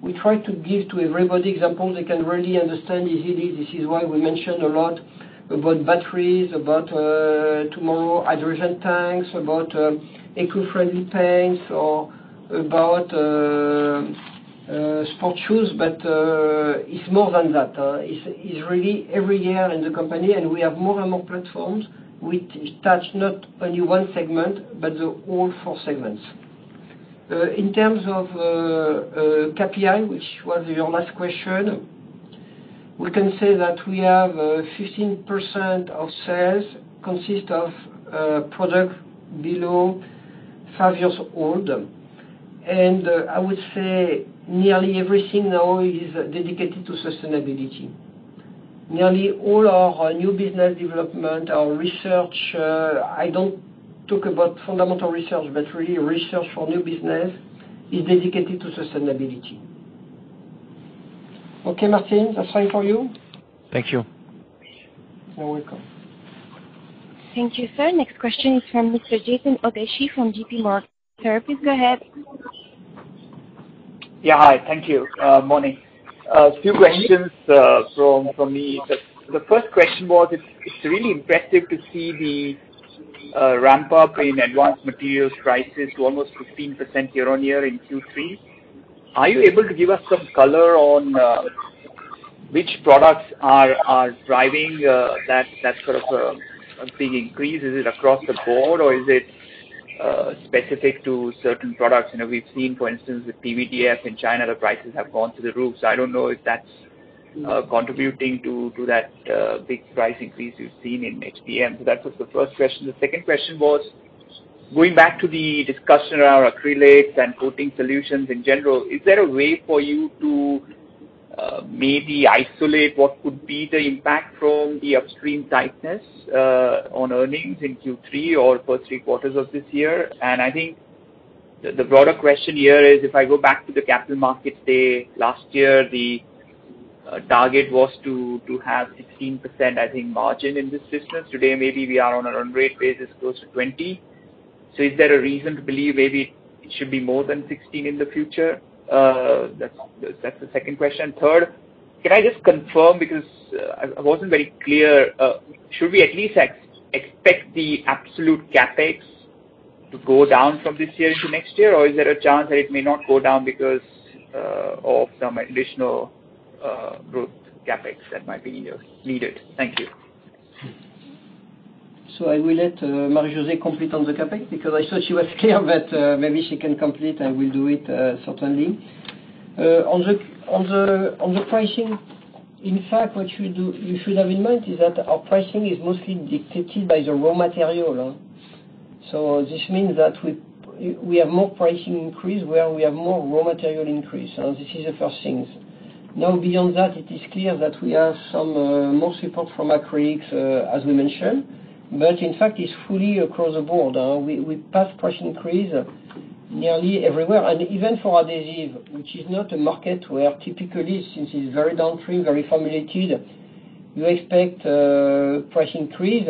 we try to give to everybody examples they can really understand easily. This is why we mentioned a lot about batteries, about tomorrow hydrogen tanks, about eco-friendly paints or about sports shoes. It's more than that. It's really every year in the company, and we have more and more platforms which touch not only one segment, but the all four segments. In terms of KPI, which was your last question, we can say that we have 15% of sales consist of product below five years old. I would say nearly everything now is dedicated to sustainability. Nearly all our new business development, our research, I don't talk about fundamental research, but really research for new business is dedicated to sustainability. Okay, Martin, that's all for you. Thank you. You're welcome. Thank you, sir. Next question is from Mr. Chetan Udeshi from JPMorgan. Sir, please go ahead. Yeah. Hi. Thank you. Morning. Two questions from me. The first question was it's really impressive to see the ramp up in Advanced Materials prices to almost 15% year-on-year in Q3. Are you able to give us some color on which products are driving that sort of big increase? Is it across the board or is it specific to certain products? You know, we've seen, for instance, the PVDF in China, the prices have gone through the roof. So I don't know if that's contributing to that big price increase we've seen in HPP. That was the first question. The second question was going back to the discussion around acrylics and coating solutions in general. Is there a way for you to maybe isolate what could be the impact from the upstream tightness on earnings in Q3 or first three quarters of this year? I think the broader question here is, if I go back to the capital market day last year, the target was to have 16% margin in this business. Today, maybe we are on a run rate basis close to 20%. Is there a reason to believe maybe it should be more than 16% in the future? That's the second question. Third, can I just confirm because I wasn't very clear, should we at least expect the absolute CapEx to go down from this year into next year? Is there a chance that it may not go down because of some additional growth CapEx that might be, you know, needed? Thank you. I will let Marie-José Donsion complete on the CapEx because I thought she was clear, but maybe she can complete and will do it, certainly. On the pricing, in fact, what you should have in mind is that our pricing is mostly dictated by the raw material. This means that we have more pricing increase where we have more raw material increase. This is the first thing. Now, beyond that, it is clear that we have more support from acrylics, as we mentioned. But in fact, it's fully across the board. We passed price increase nearly everywhere. And even for adhesive, which is not a market where typically, since it's very downstream, very formulated, you expect price increase.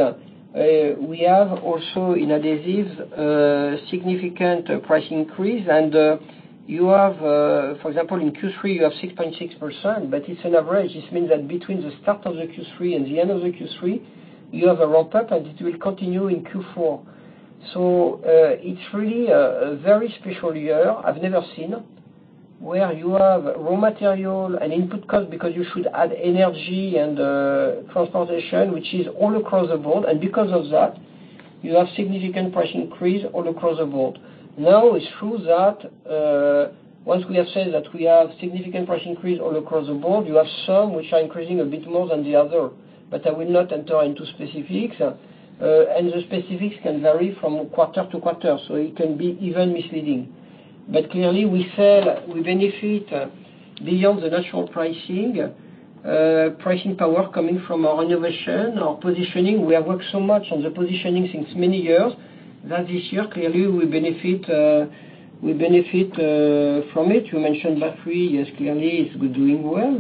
We have also in adhesive significant price increase. You have, for example, in Q3, you have 6.6%, but it's an average. This means that between the start of the Q3 and the end of the Q3, you have a ramp up, and it will continue in Q4. It's really a very special year I've never seen where you have raw material and input cost because you should add energy and transportation, which is all across the board. Because of that, you have significant price increase all across the board. Now, it's true that once we have said that we have significant price increase all across the board, you have some which are increasing a bit more than the other, but I will not enter into specifics. The specifics can vary from quarter to quarter, so it can be even misleading. Clearly, we said we benefit beyond the natural pricing power coming from our innovation, our positioning. We have worked so much on the positioning since many years that this year, clearly, we benefit from it. You mentioned battery. Yes, clearly it's doing well.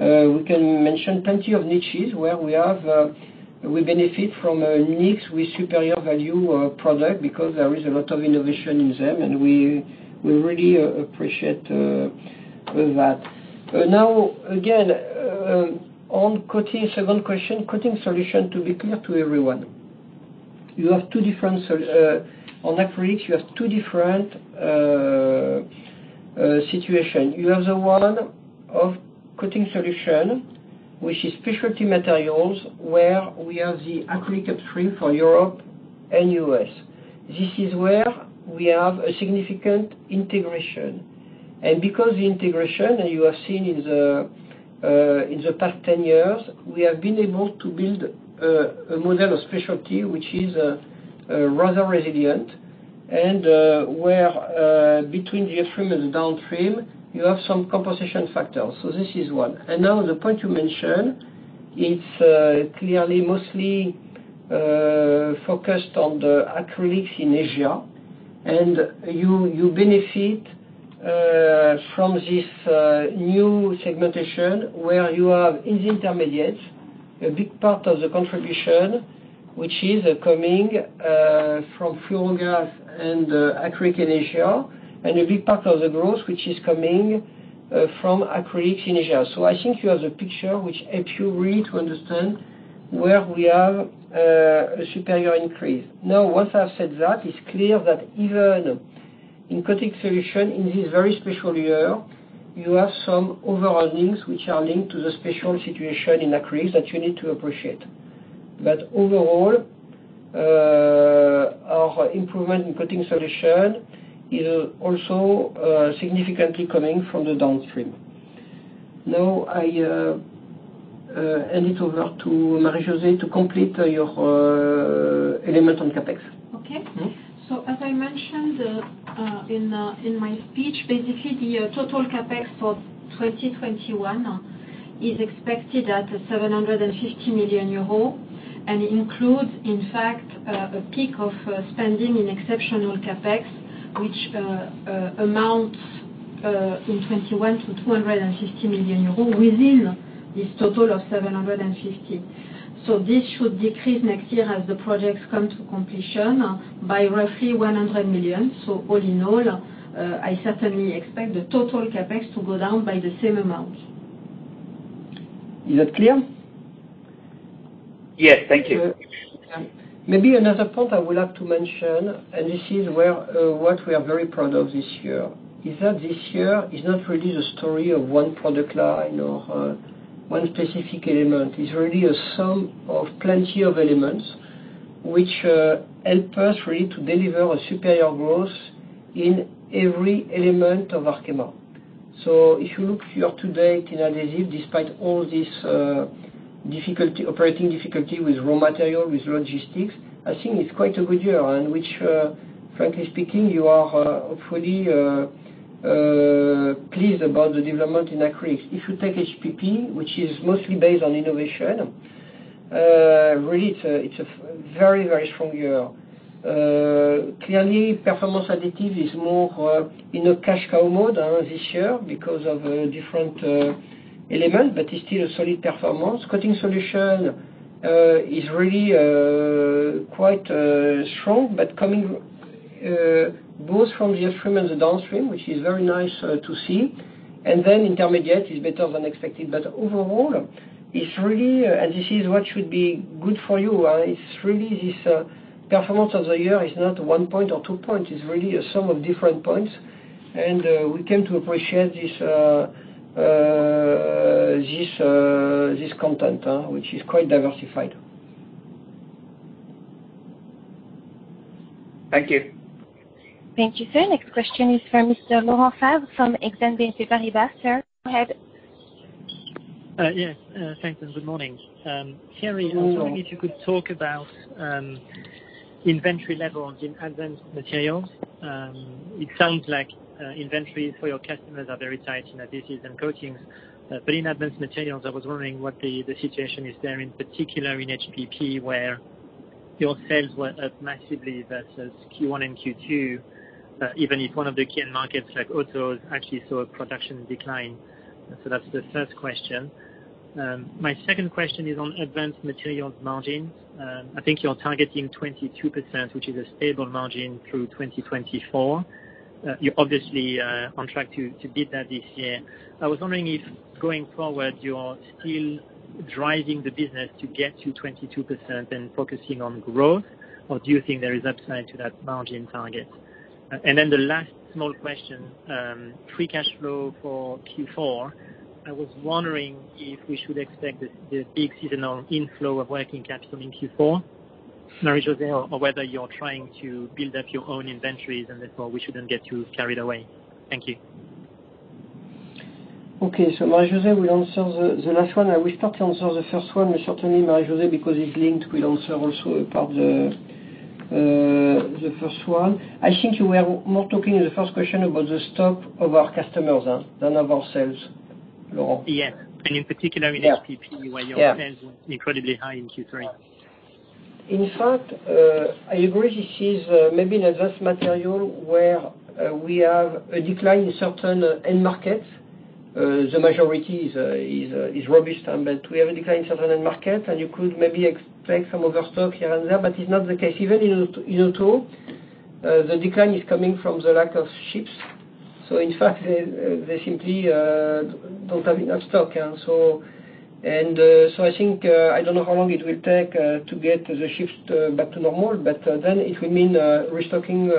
We can mention plenty of niches where we benefit from a unique with superior value product because there is a lot of innovation in them, and we really appreciate that. Now, again, on coating, second question, Coating Solutions to be clear to everyone. You have two different on acrylic, you have two different situation. You have the one of Coating Solutions, which is Specialty Materials, where we are the acrylic upstream for Europe and U.S. This is where we have a significant integration. Because the integration, and you have seen in the past 10 years, we have been able to build a model of specialty, which is rather resilient and where between the upstream and the downstream you have some compensation factors. This is one. Now the point you mentioned, it's clearly mostly focused on the acrylics in Asia. You benefit from this new segmentation where you have in the Intermediates a big part of the contribution which is coming from fluorogases and acrylic in Asia, and a big part of the growth which is coming from acrylics in Asia. I think you have the picture which helps you really to understand where we have a superior increase. Now, once I've said that, it's clear that even in Coating Solutions in this very special year, you have some overhead links which are linked to the special situation in acrylics that you need to appreciate. Overall, our improvement in Coating Solutions is also significantly coming from the downstream. Now, I hand it over to Marie-José Donsion to complete your element on CapEx. Okay. Mm-hmm. As I mentioned in my speech, basically the total CapEx for 2021 is expected at 750 million euros and includes, in fact, a peak of spending in exceptional CapEx, which amounts in 2021 to 250 million euros within this total of 750 million. This should decrease next year as the projects come to completion by roughly 100 million. All in all, I certainly expect the total CapEx to go down by the same amount. Is that clear? Yes. Thank you. Maybe another point I would like to mention, and this is where what we are very proud of this year is that this year is not really the story of one product line or one specific element. It's really a sum of plenty of elements which help us really to deliver a superior growth in every element of Arkema. If you look year-to-date in Adhesive, despite all this difficulty, operating difficulty with raw material, with logistics, I think it's quite a good year. Which, frankly speaking, you are hopefully pleased about the development in acrylic. If you take HPP, which is mostly based on innovation, really it's a very, very strong year. Clearly, Performance Additives is more in a cash cow mode this year because of different elements, but it's still a solid performance. Coating Solutions is really quite strong, but coming both from the upstream and the downstream, which is very nice to see. Intermediates is better than expected. Overall, it's really, and this is what should be good for you, it's really this performance of the year is not one point or two points. It's really a sum of different points. We came to appreciate this context, which is quite diversified. Thank you. Thank you, sir. Next question is from Mr. Laurent Favre from Exane BNP Paribas. Sir, go ahead. Yes, thanks, and good morning. Thierry- Hello. I was wondering if you could talk about inventory levels in Advanced Materials. It sounds like inventory for your customers are very tight in Adhesives and Coatings. In Advanced Materials, I was wondering what the situation is there, in particular in HPP, where your sales were up massively versus Q1 and Q2, even if one of the key end markets like autos actually saw a production decline. That's the first question. My second question is on Advanced Materials margins. I think you're targeting 22%, which is a stable margin through 2024. You're obviously on track to beat that this year. I was wondering if, going forward, you are still driving the business to get to 22% and focusing on growth, or do you think there is upside to that margin target? The last small question, free cash flow for Q4. I was wondering if we should expect the big seasonal inflow of working capital in Q4, Marie-José Donsion, or whether you're trying to build up your own inventories and therefore we shouldn't get too carried away. Thank you. Okay. Marie-José Donsion will answer the last one. I will start to answer the first one, and certainly Marie-José Donsion, because it's linked, will answer also about the first one. I think you were more talking in the first question about the stock of our customers than of ourselves, Laurent. Yes. In particular in HPP- Yes. Where your sales were incredibly high in Q3. In fact, I agree this is maybe in Advanced Materials where we have a decline in certain end markets. The majority is robust. We have a decline in certain end markets, and you could maybe expect some other stock here and there, but it's not the case. Even in auto, the decline is coming from the lack of chips. In fact, they simply don't have enough stock. I think I don't know how long it will take to get the chips back to normal, but then it will mean restocking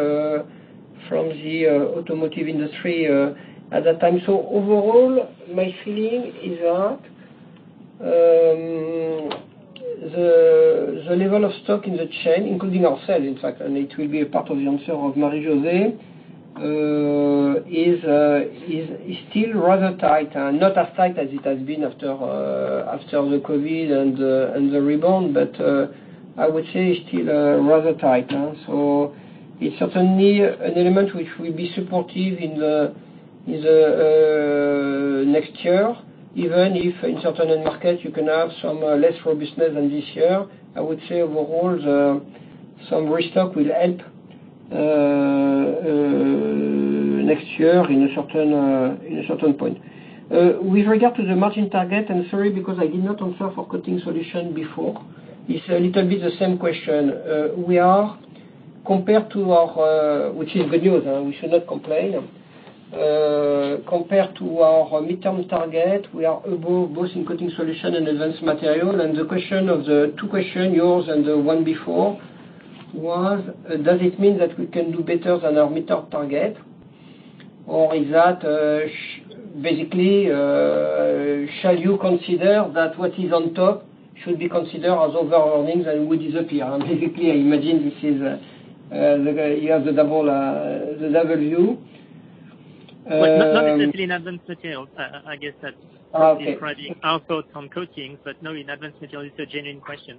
from the automotive industry at that time. Overall, my feeling is that the level of stock in the chain, including ourselves in fact, and it will be a part of the answer of Marie-José Donsion, is still rather tight. Not as tight as it has been after the COVID and the rebound, but I would say still rather tight. It's certainly an element which will be supportive in the next year, even if in certain end markets you can have some less robustness than this year. I would say overall some restock will help next year in a certain point. With regard to the margin target, I'm sorry, because I did not answer for Coating Solutions before. It's a little bit the same question. We are compared to our, which is good news, we should not complain. Compared to our midterm target, we are above both in Coating Solutions and Advanced Materials. The question of the two questions, yours and the one before, was, does it mean that we can do better than our midterm target? Or is that, basically, shall you consider that what is on top should be considered as overall earnings and will disappear? Basically, I imagine this is, you have the double view. Well, not necessarily in Advanced Materials. I guess that's- Okay. In Advanced Materials it's a genuine question.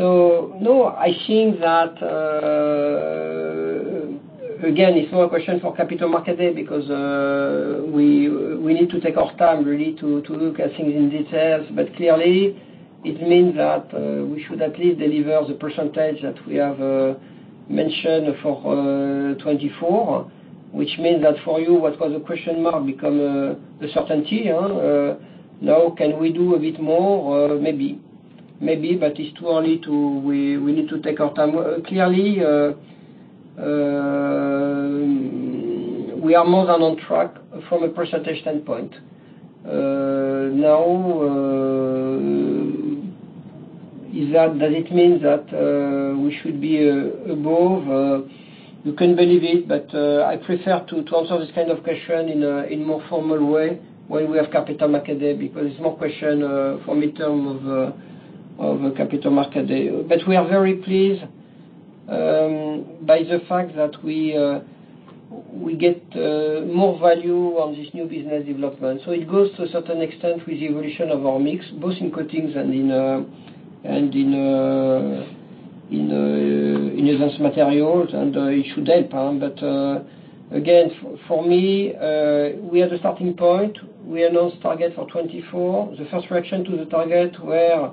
Okay. No, I think that, again, it's more a question for Capital Market Day because we need to take our time really to look at things in detail. Clearly it means that we should at least deliver the percentage that we have mentioned for 2024. Which means that for you, what was a question mark become the certainty, now, can we do a bit more? Maybe, but it's too early. We need to take our time. Clearly, we are more than on track from a percentage standpoint. Now, does it mean that we should be above? You can believe it, but I prefer to answer this kind of question in more formal way when we have capital market day, because it's more a question for me in terms of capital market day. We are very pleased by the fact that we get more value on this new business development. It goes to a certain extent with the evolution of our mix, both in coatings and in advanced materials, and it should help. Again, for me, we are the starting point. We announced target for 2024. The first reaction to the target were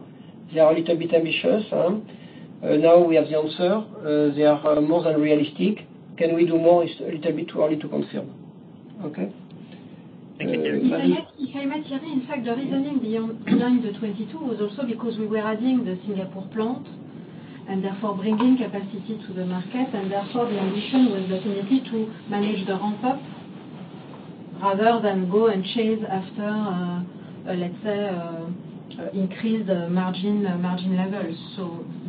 they are a little bit ambitious. Now we have the answer. They are more than realistic. Can we do more? It's a little bit too early to confirm. Okay. Thank you, Thierry. If I might, Thierry, in fact, the reasoning behind the 22% was also because we were adding the Singapore plant and therefore bringing capacity to the market. The ambition was definitely to manage the ramp up rather than go and chase after, let's say, increased margin levels.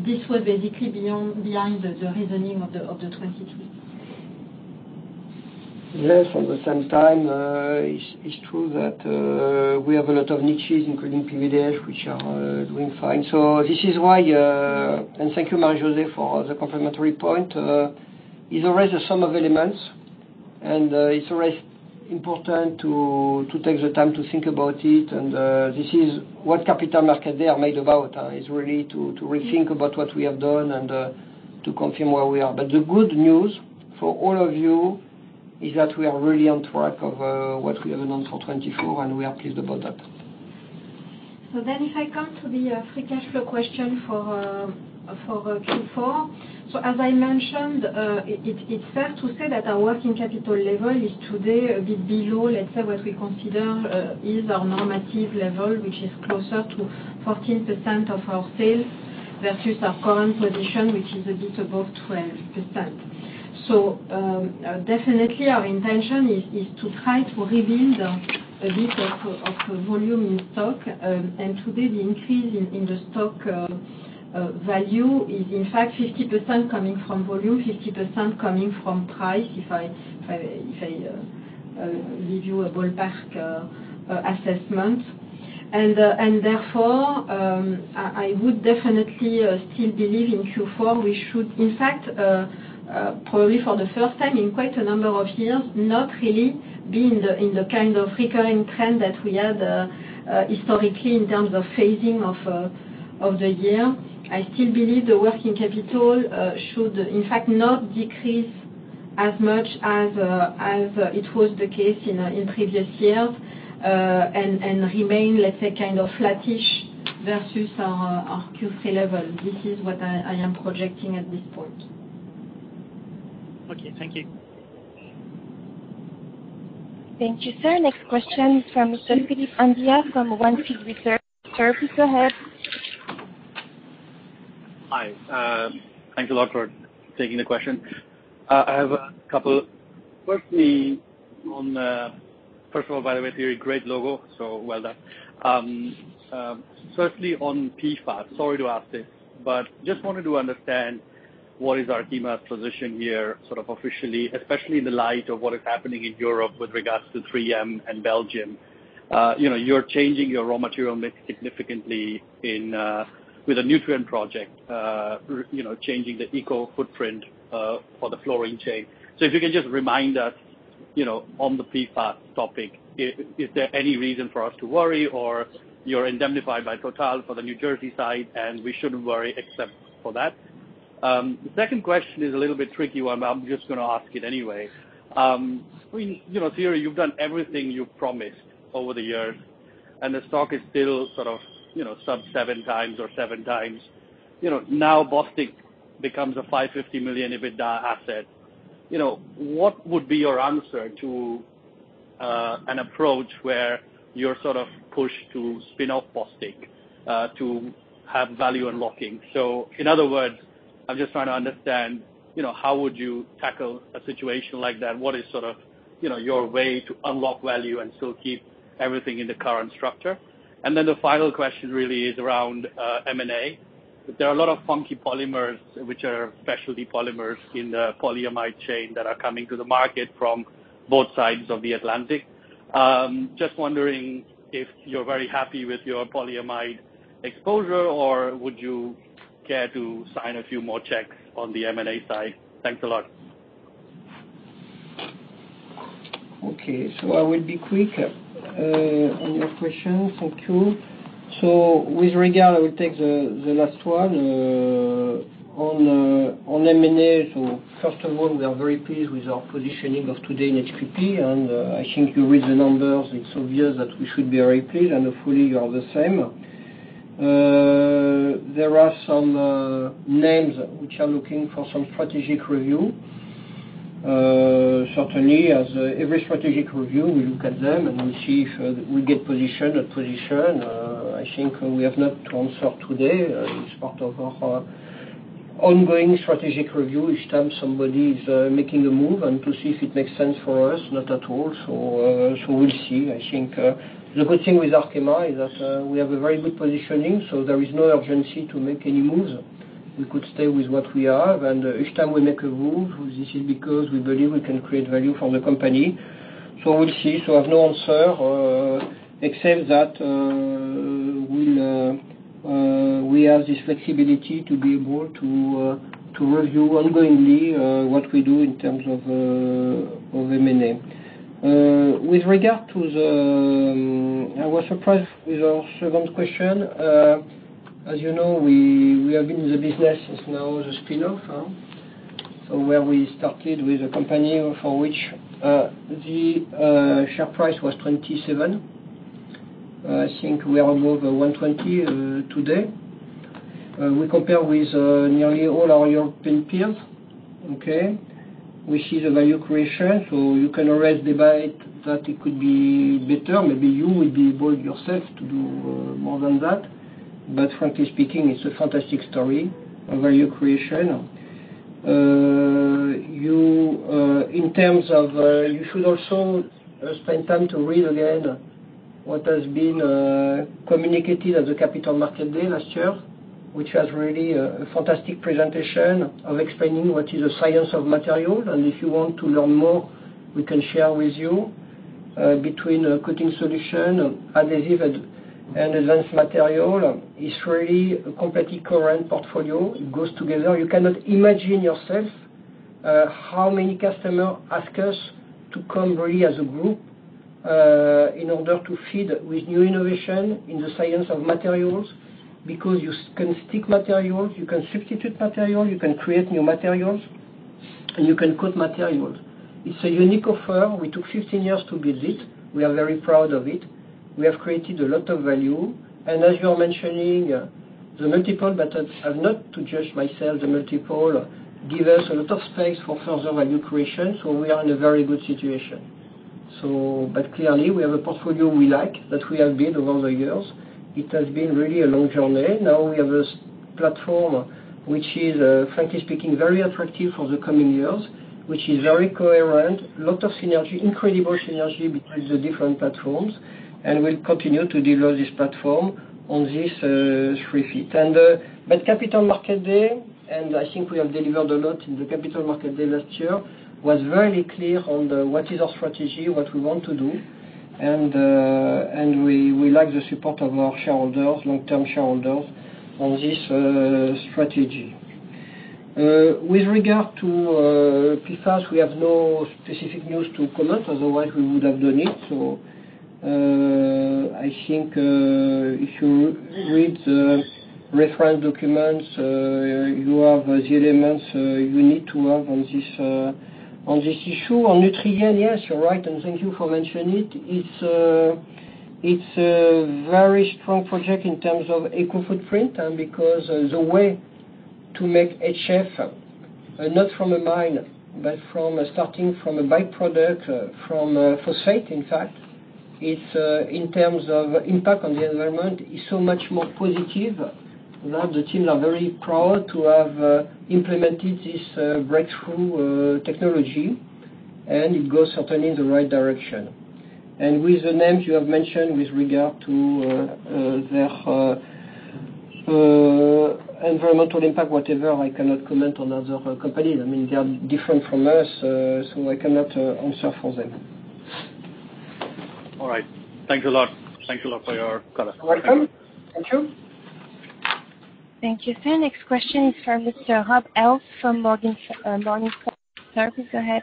This was basically behind the reasoning of the 22%. Yes. At the same time, it's true that we have a lot of niches, including PVDF, which are doing fine. This is why. Thank you, Marie-José Donsion, for the complementary point. It's always a sum of elements, and it's always important to take the time to think about it. This is what capital market day are made about, is really to rethink about what we have done and to confirm where we are. The good news for all of you is that we are really on track of what we have announced for 2024, and we are pleased about that. If I come to the free cash flow question for Q4. As I mentioned, it's fair to say that our working capital level is today a bit below, let's say, what we consider is our normative level, which is closer to 14% of our sales versus our current position, which is a bit above 12%. Definitely our intention is to try to rebuild a bit of volume in stock. And today the increase in the stock value is in fact 50% coming from volume, 50% coming from price, if I give you a ballpark assessment. I would definitely still believe in Q4 we should in fact probably for the first time in quite a number of years, not really be in the kind of recurring trend that we had historically in terms of phasing of the year. I still believe the working capital should in fact not decrease as much as it was the case in previous years and remain, let's say, kind of flattish versus our Q3 level. This is what I am projecting at this point. Okay. Thank you. Thank you, sir. Next question is from Mr. Philippe Andria from Kepler Cheuvreux. Sir, please go ahead. Hi. Thank you a lot for taking the question. I have a couple. First of all, by the way, Thierry, great logo, so well done. Firstly on PFAS, sorry to ask this, but just wanted to understand what is Arkema's position here, sort of officially, especially in the light of what is happening in Europe with regards to 3M and Belgium. You know, you're changing your raw material mix significantly in, with the Nutrien project, you know, changing the eco footprint, for the fluorine chain. If you can just remind us, you know, on the PFAS topic, is there any reason for us to worry or you're indemnified by Total for the New Jersey side and we shouldn't worry except for that? The second question is a little bit tricky one, but I'm just gonna ask it anyway. I mean, you know, Thierry, you've done everything you've promised over the years, and the stock is still sort of, you know, sub-7 times or seven times. You know, now Bostik becomes a 550 million EBITDA asset. You know, what would be your answer to an approach where you're sort of pushed to spin off Bostik to have value unlocking? So in other words, I'm just trying to understand, you know, how would you tackle a situation like that? What is sort of, you know, your way to unlock value and still keep everything in the current structure? The final question really is around M&A. There are a lot of funky polymers, which are specialty polymers in the polyamide chain that are coming to the market from both sides of the Atlantic. Just wondering if you're very happy with your polyamide exposure, or would you care to sign a few more checks on the M&A side? Thanks a lot. Okay. I will be quick on your question. Thank you. With regard, I will take the last one. On M&A, first of all, we are very pleased with our positioning of today in HPP, and I think you read the numbers, it's obvious that we should be very pleased, and hopefully you are the same. There are some names which are looking for some strategic review. Certainly as every strategic review, we look at them, and we see if we get position. I think we have not answered today. It's part of our ongoing strategic review each time somebody is making a move and to see if it makes sense for us, not at all. We'll see. I think the good thing with Arkema is that we have a very good positioning, so there is no urgency to make any moves. We could stay with what we have, and each time we make a move, this is because we believe we can create value for the company. We'll see. I have no answer except that we have this flexibility to be able to review ongoingly what we do in terms of M&A. With regard to the second question, I was surprised with our second question. As you know, we have been in the business since the spin-off. Where we started with a company for which the share price was 27, I think we are above 120 today. We compare with nearly all our European peers, okay? We see the value creation, so you can always debate that it could be better. Maybe you will be able yourself to do more than that. But frankly speaking, it's a fantastic story of value creation. You in terms of you should also spend time to read again what has been communicated at the Capital Markets Day last year, which was really a fantastic presentation of explaining what is the science of material. If you want to learn more, we can share with you between a coating solution, adhesive, and advanced material. It's really a complementary portfolio. It goes together. You cannot imagine how many customers ask us to come really as a group in order to be fed with new innovations in the science of materials, because you can stick materials, you can substitute materials, you can create new materials, and you can coat materials. It's a unique offer. We took 15 years to build it. We are very proud of it. We have created a lot of value. As you are mentioning, the multiples have not caught up, the multiples give us a lot of space for further value creation, so we are in a very good situation. Clearly, we have a portfolio we like that we have built over the years. It has been really a long journey. Now we have this platform which is, frankly speaking, very attractive for the coming years, which is very coherent, lot of synergy, incredible synergy between the different platforms, and we'll continue to develop this platform on this three feet. Capital Markets Day, and I think we have delivered a lot in the Capital Markets Day last year, was very clear on what is our strategy, what we want to do, and we like the support of our shareholders, long-term shareholders on this strategy. With regard to PFAS, we have no specific news to comment, otherwise we would have done it. I think if you read the reference documents, you have the elements you need to have on this issue. On Nutrien, yes, you're right, and thank you for mentioning it. It's a very strong project in terms of eco-footprint, and because the way to make HF, not from a mine, but from starting from a by-product from phosphate, in fact, it's in terms of impact on the environment, is so much more positive. Now the team are very proud to have implemented this breakthrough technology, and it goes certainly in the right direction. With the names you have mentioned with regard to their environmental impact, whatever, I cannot comment on other companies. I mean, they are different from us, so I cannot answer for them. All right. Thank you a lot for your color. You're welcome. Thank you. Thank you, sir. Next question is from Mr. Rob Hales from Morningstar. Please go ahead.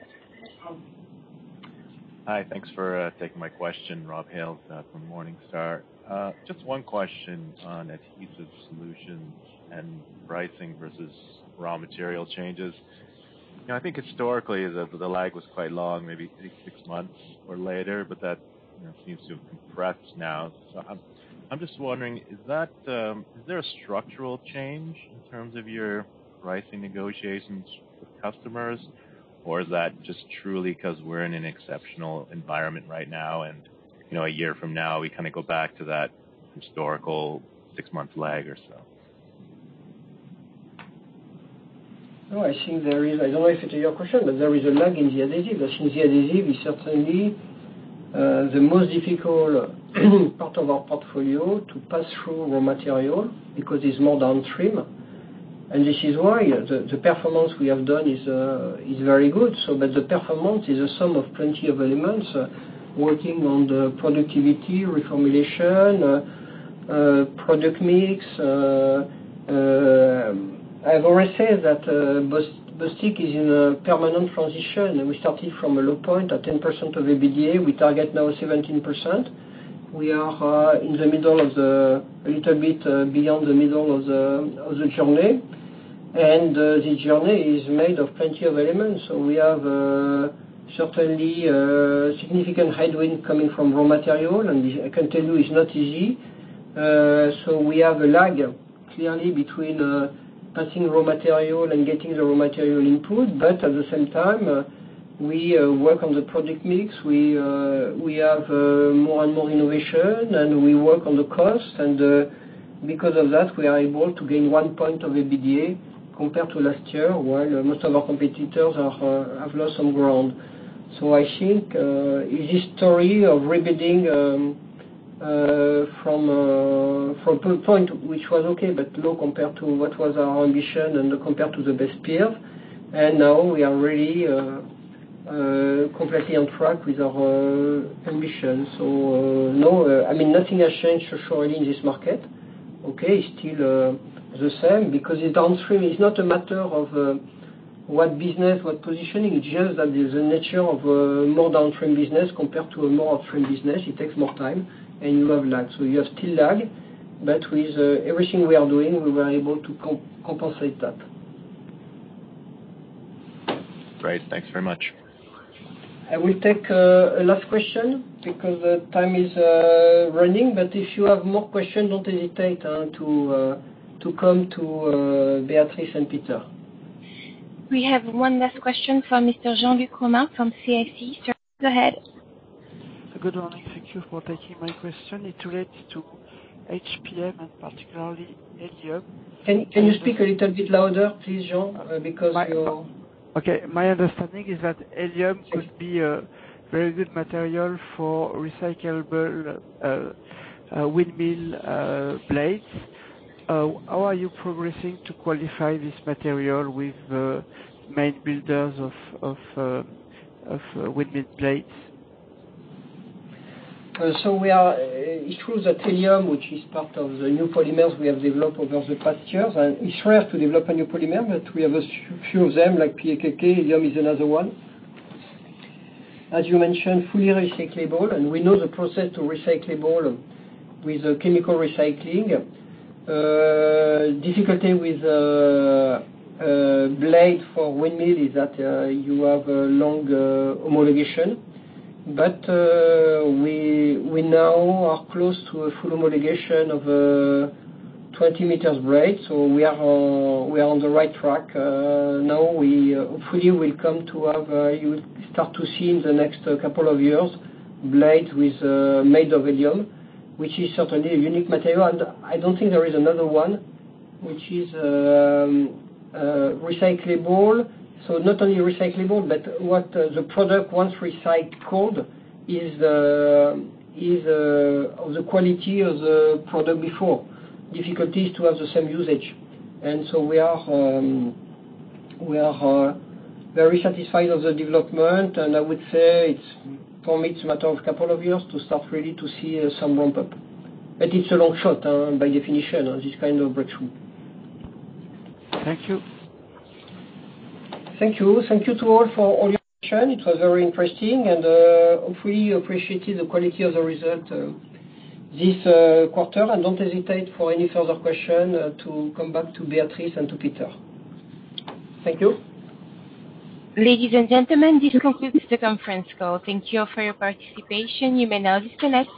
Hi. Thanks for taking my question, Rob Hales from Morningstar. Just one question on Adhesive Solutions and pricing versus raw material changes. You know, I think historically the lag was quite long, maybe six months or later, but that you know seems to have compressed now. I'm just wondering, is there a structural change in terms of your pricing negotiations with customers, or is that just truly 'cause we're in an exceptional environment right now and, you know, a year from now we kinda go back to that historical six-month lag or so? No, I think there is. I don't know if I answer your question, but there is a lag in the adhesive. I think the adhesive is certainly the most difficult part of our portfolio to pass through raw material because it's more downstream. This is why the performance we have done is very good. But the performance is a sum of plenty of elements, working on the productivity, reformulation, product mix. I've always said that Bostik is in a permanent transition, and we started from a low point at 10% of EBITDA. We target now 17%. We are in the middle of the journey, a little bit beyond the middle of the journey. The journey is made of plenty of elements. We have certainly significant headwind coming from raw material, and I can tell you it's not easy. We have a lag, clearly, between passing raw material and getting the raw material input. At the same time, we work on the product mix. We have more and more innovation, and we work on the cost. Because of that, we are able to gain one point of EBITDA compared to last year, while most of our competitors have lost some ground. I think it is story of rebuilding from point which was okay but low compared to what was our ambition and compared to the best peer. Now we are really completely on track with our ambitions. No, I mean, nothing has changed for sure in this market, okay? Still, the same because the downstream, it's not a matter of, what business, what positioning. It's just that the nature of a more downstream business compared to a more upstream business, it takes more time, and you have lag. You have still lag, but with, everything we are doing, we were able to compensate that. Great. Thanks very much. I will take a last question because time is running, but if you have more questions, don't hesitate to come to Beatrice and Peter. We have one last question from Mr. Jean-Luc Romain from CIC Market Solutions. Sir, go ahead. Good morning. Thank you for taking my question. It relates to HPP and particularly Elium. Can you speak a little bit louder please, Jean-Luc Romain? Because you're Okay. My understanding is that Elium could be a very good material for recyclable wind turbine blades. How are you progressing to qualify this material with the main builders of wind turbine blades? It's true that Elium, which is part of the new polymers we have developed over the past years, and it's rare to develop a new polymer, but we have a few of them like PEKK. Elium is another one. As you mentioned, fully recyclable, and we know the process to recycle with chemical recycling. The difficulty with the wind turbine blade is that you have a long homologation. We now are close to a full homologation of a 20-meter blade. We are on the right track. Now we hopefully will come to have you start to see in the next couple of years blades made of Elium, which is certainly a unique material. I don't think there is another one which is recyclable. Not only recyclable, but the product once recycled is of the quality of the product before. The difficulty is to have the same usage. We are very satisfied of the development. I would say it's, for me, a matter of couple of years to start really to see some ramp-up. It's a long shot by definition on this kind of breakthrough. Thank you. Thank you to all for all your question. It was very interesting, and hopefully you appreciated the quality of the result this quarter. Don't hesitate for any further question to come back to Beatrice and to Peter. Thank you. Ladies and gentlemen, this concludes the conference call. Thank you for your participation. You may now disconnect.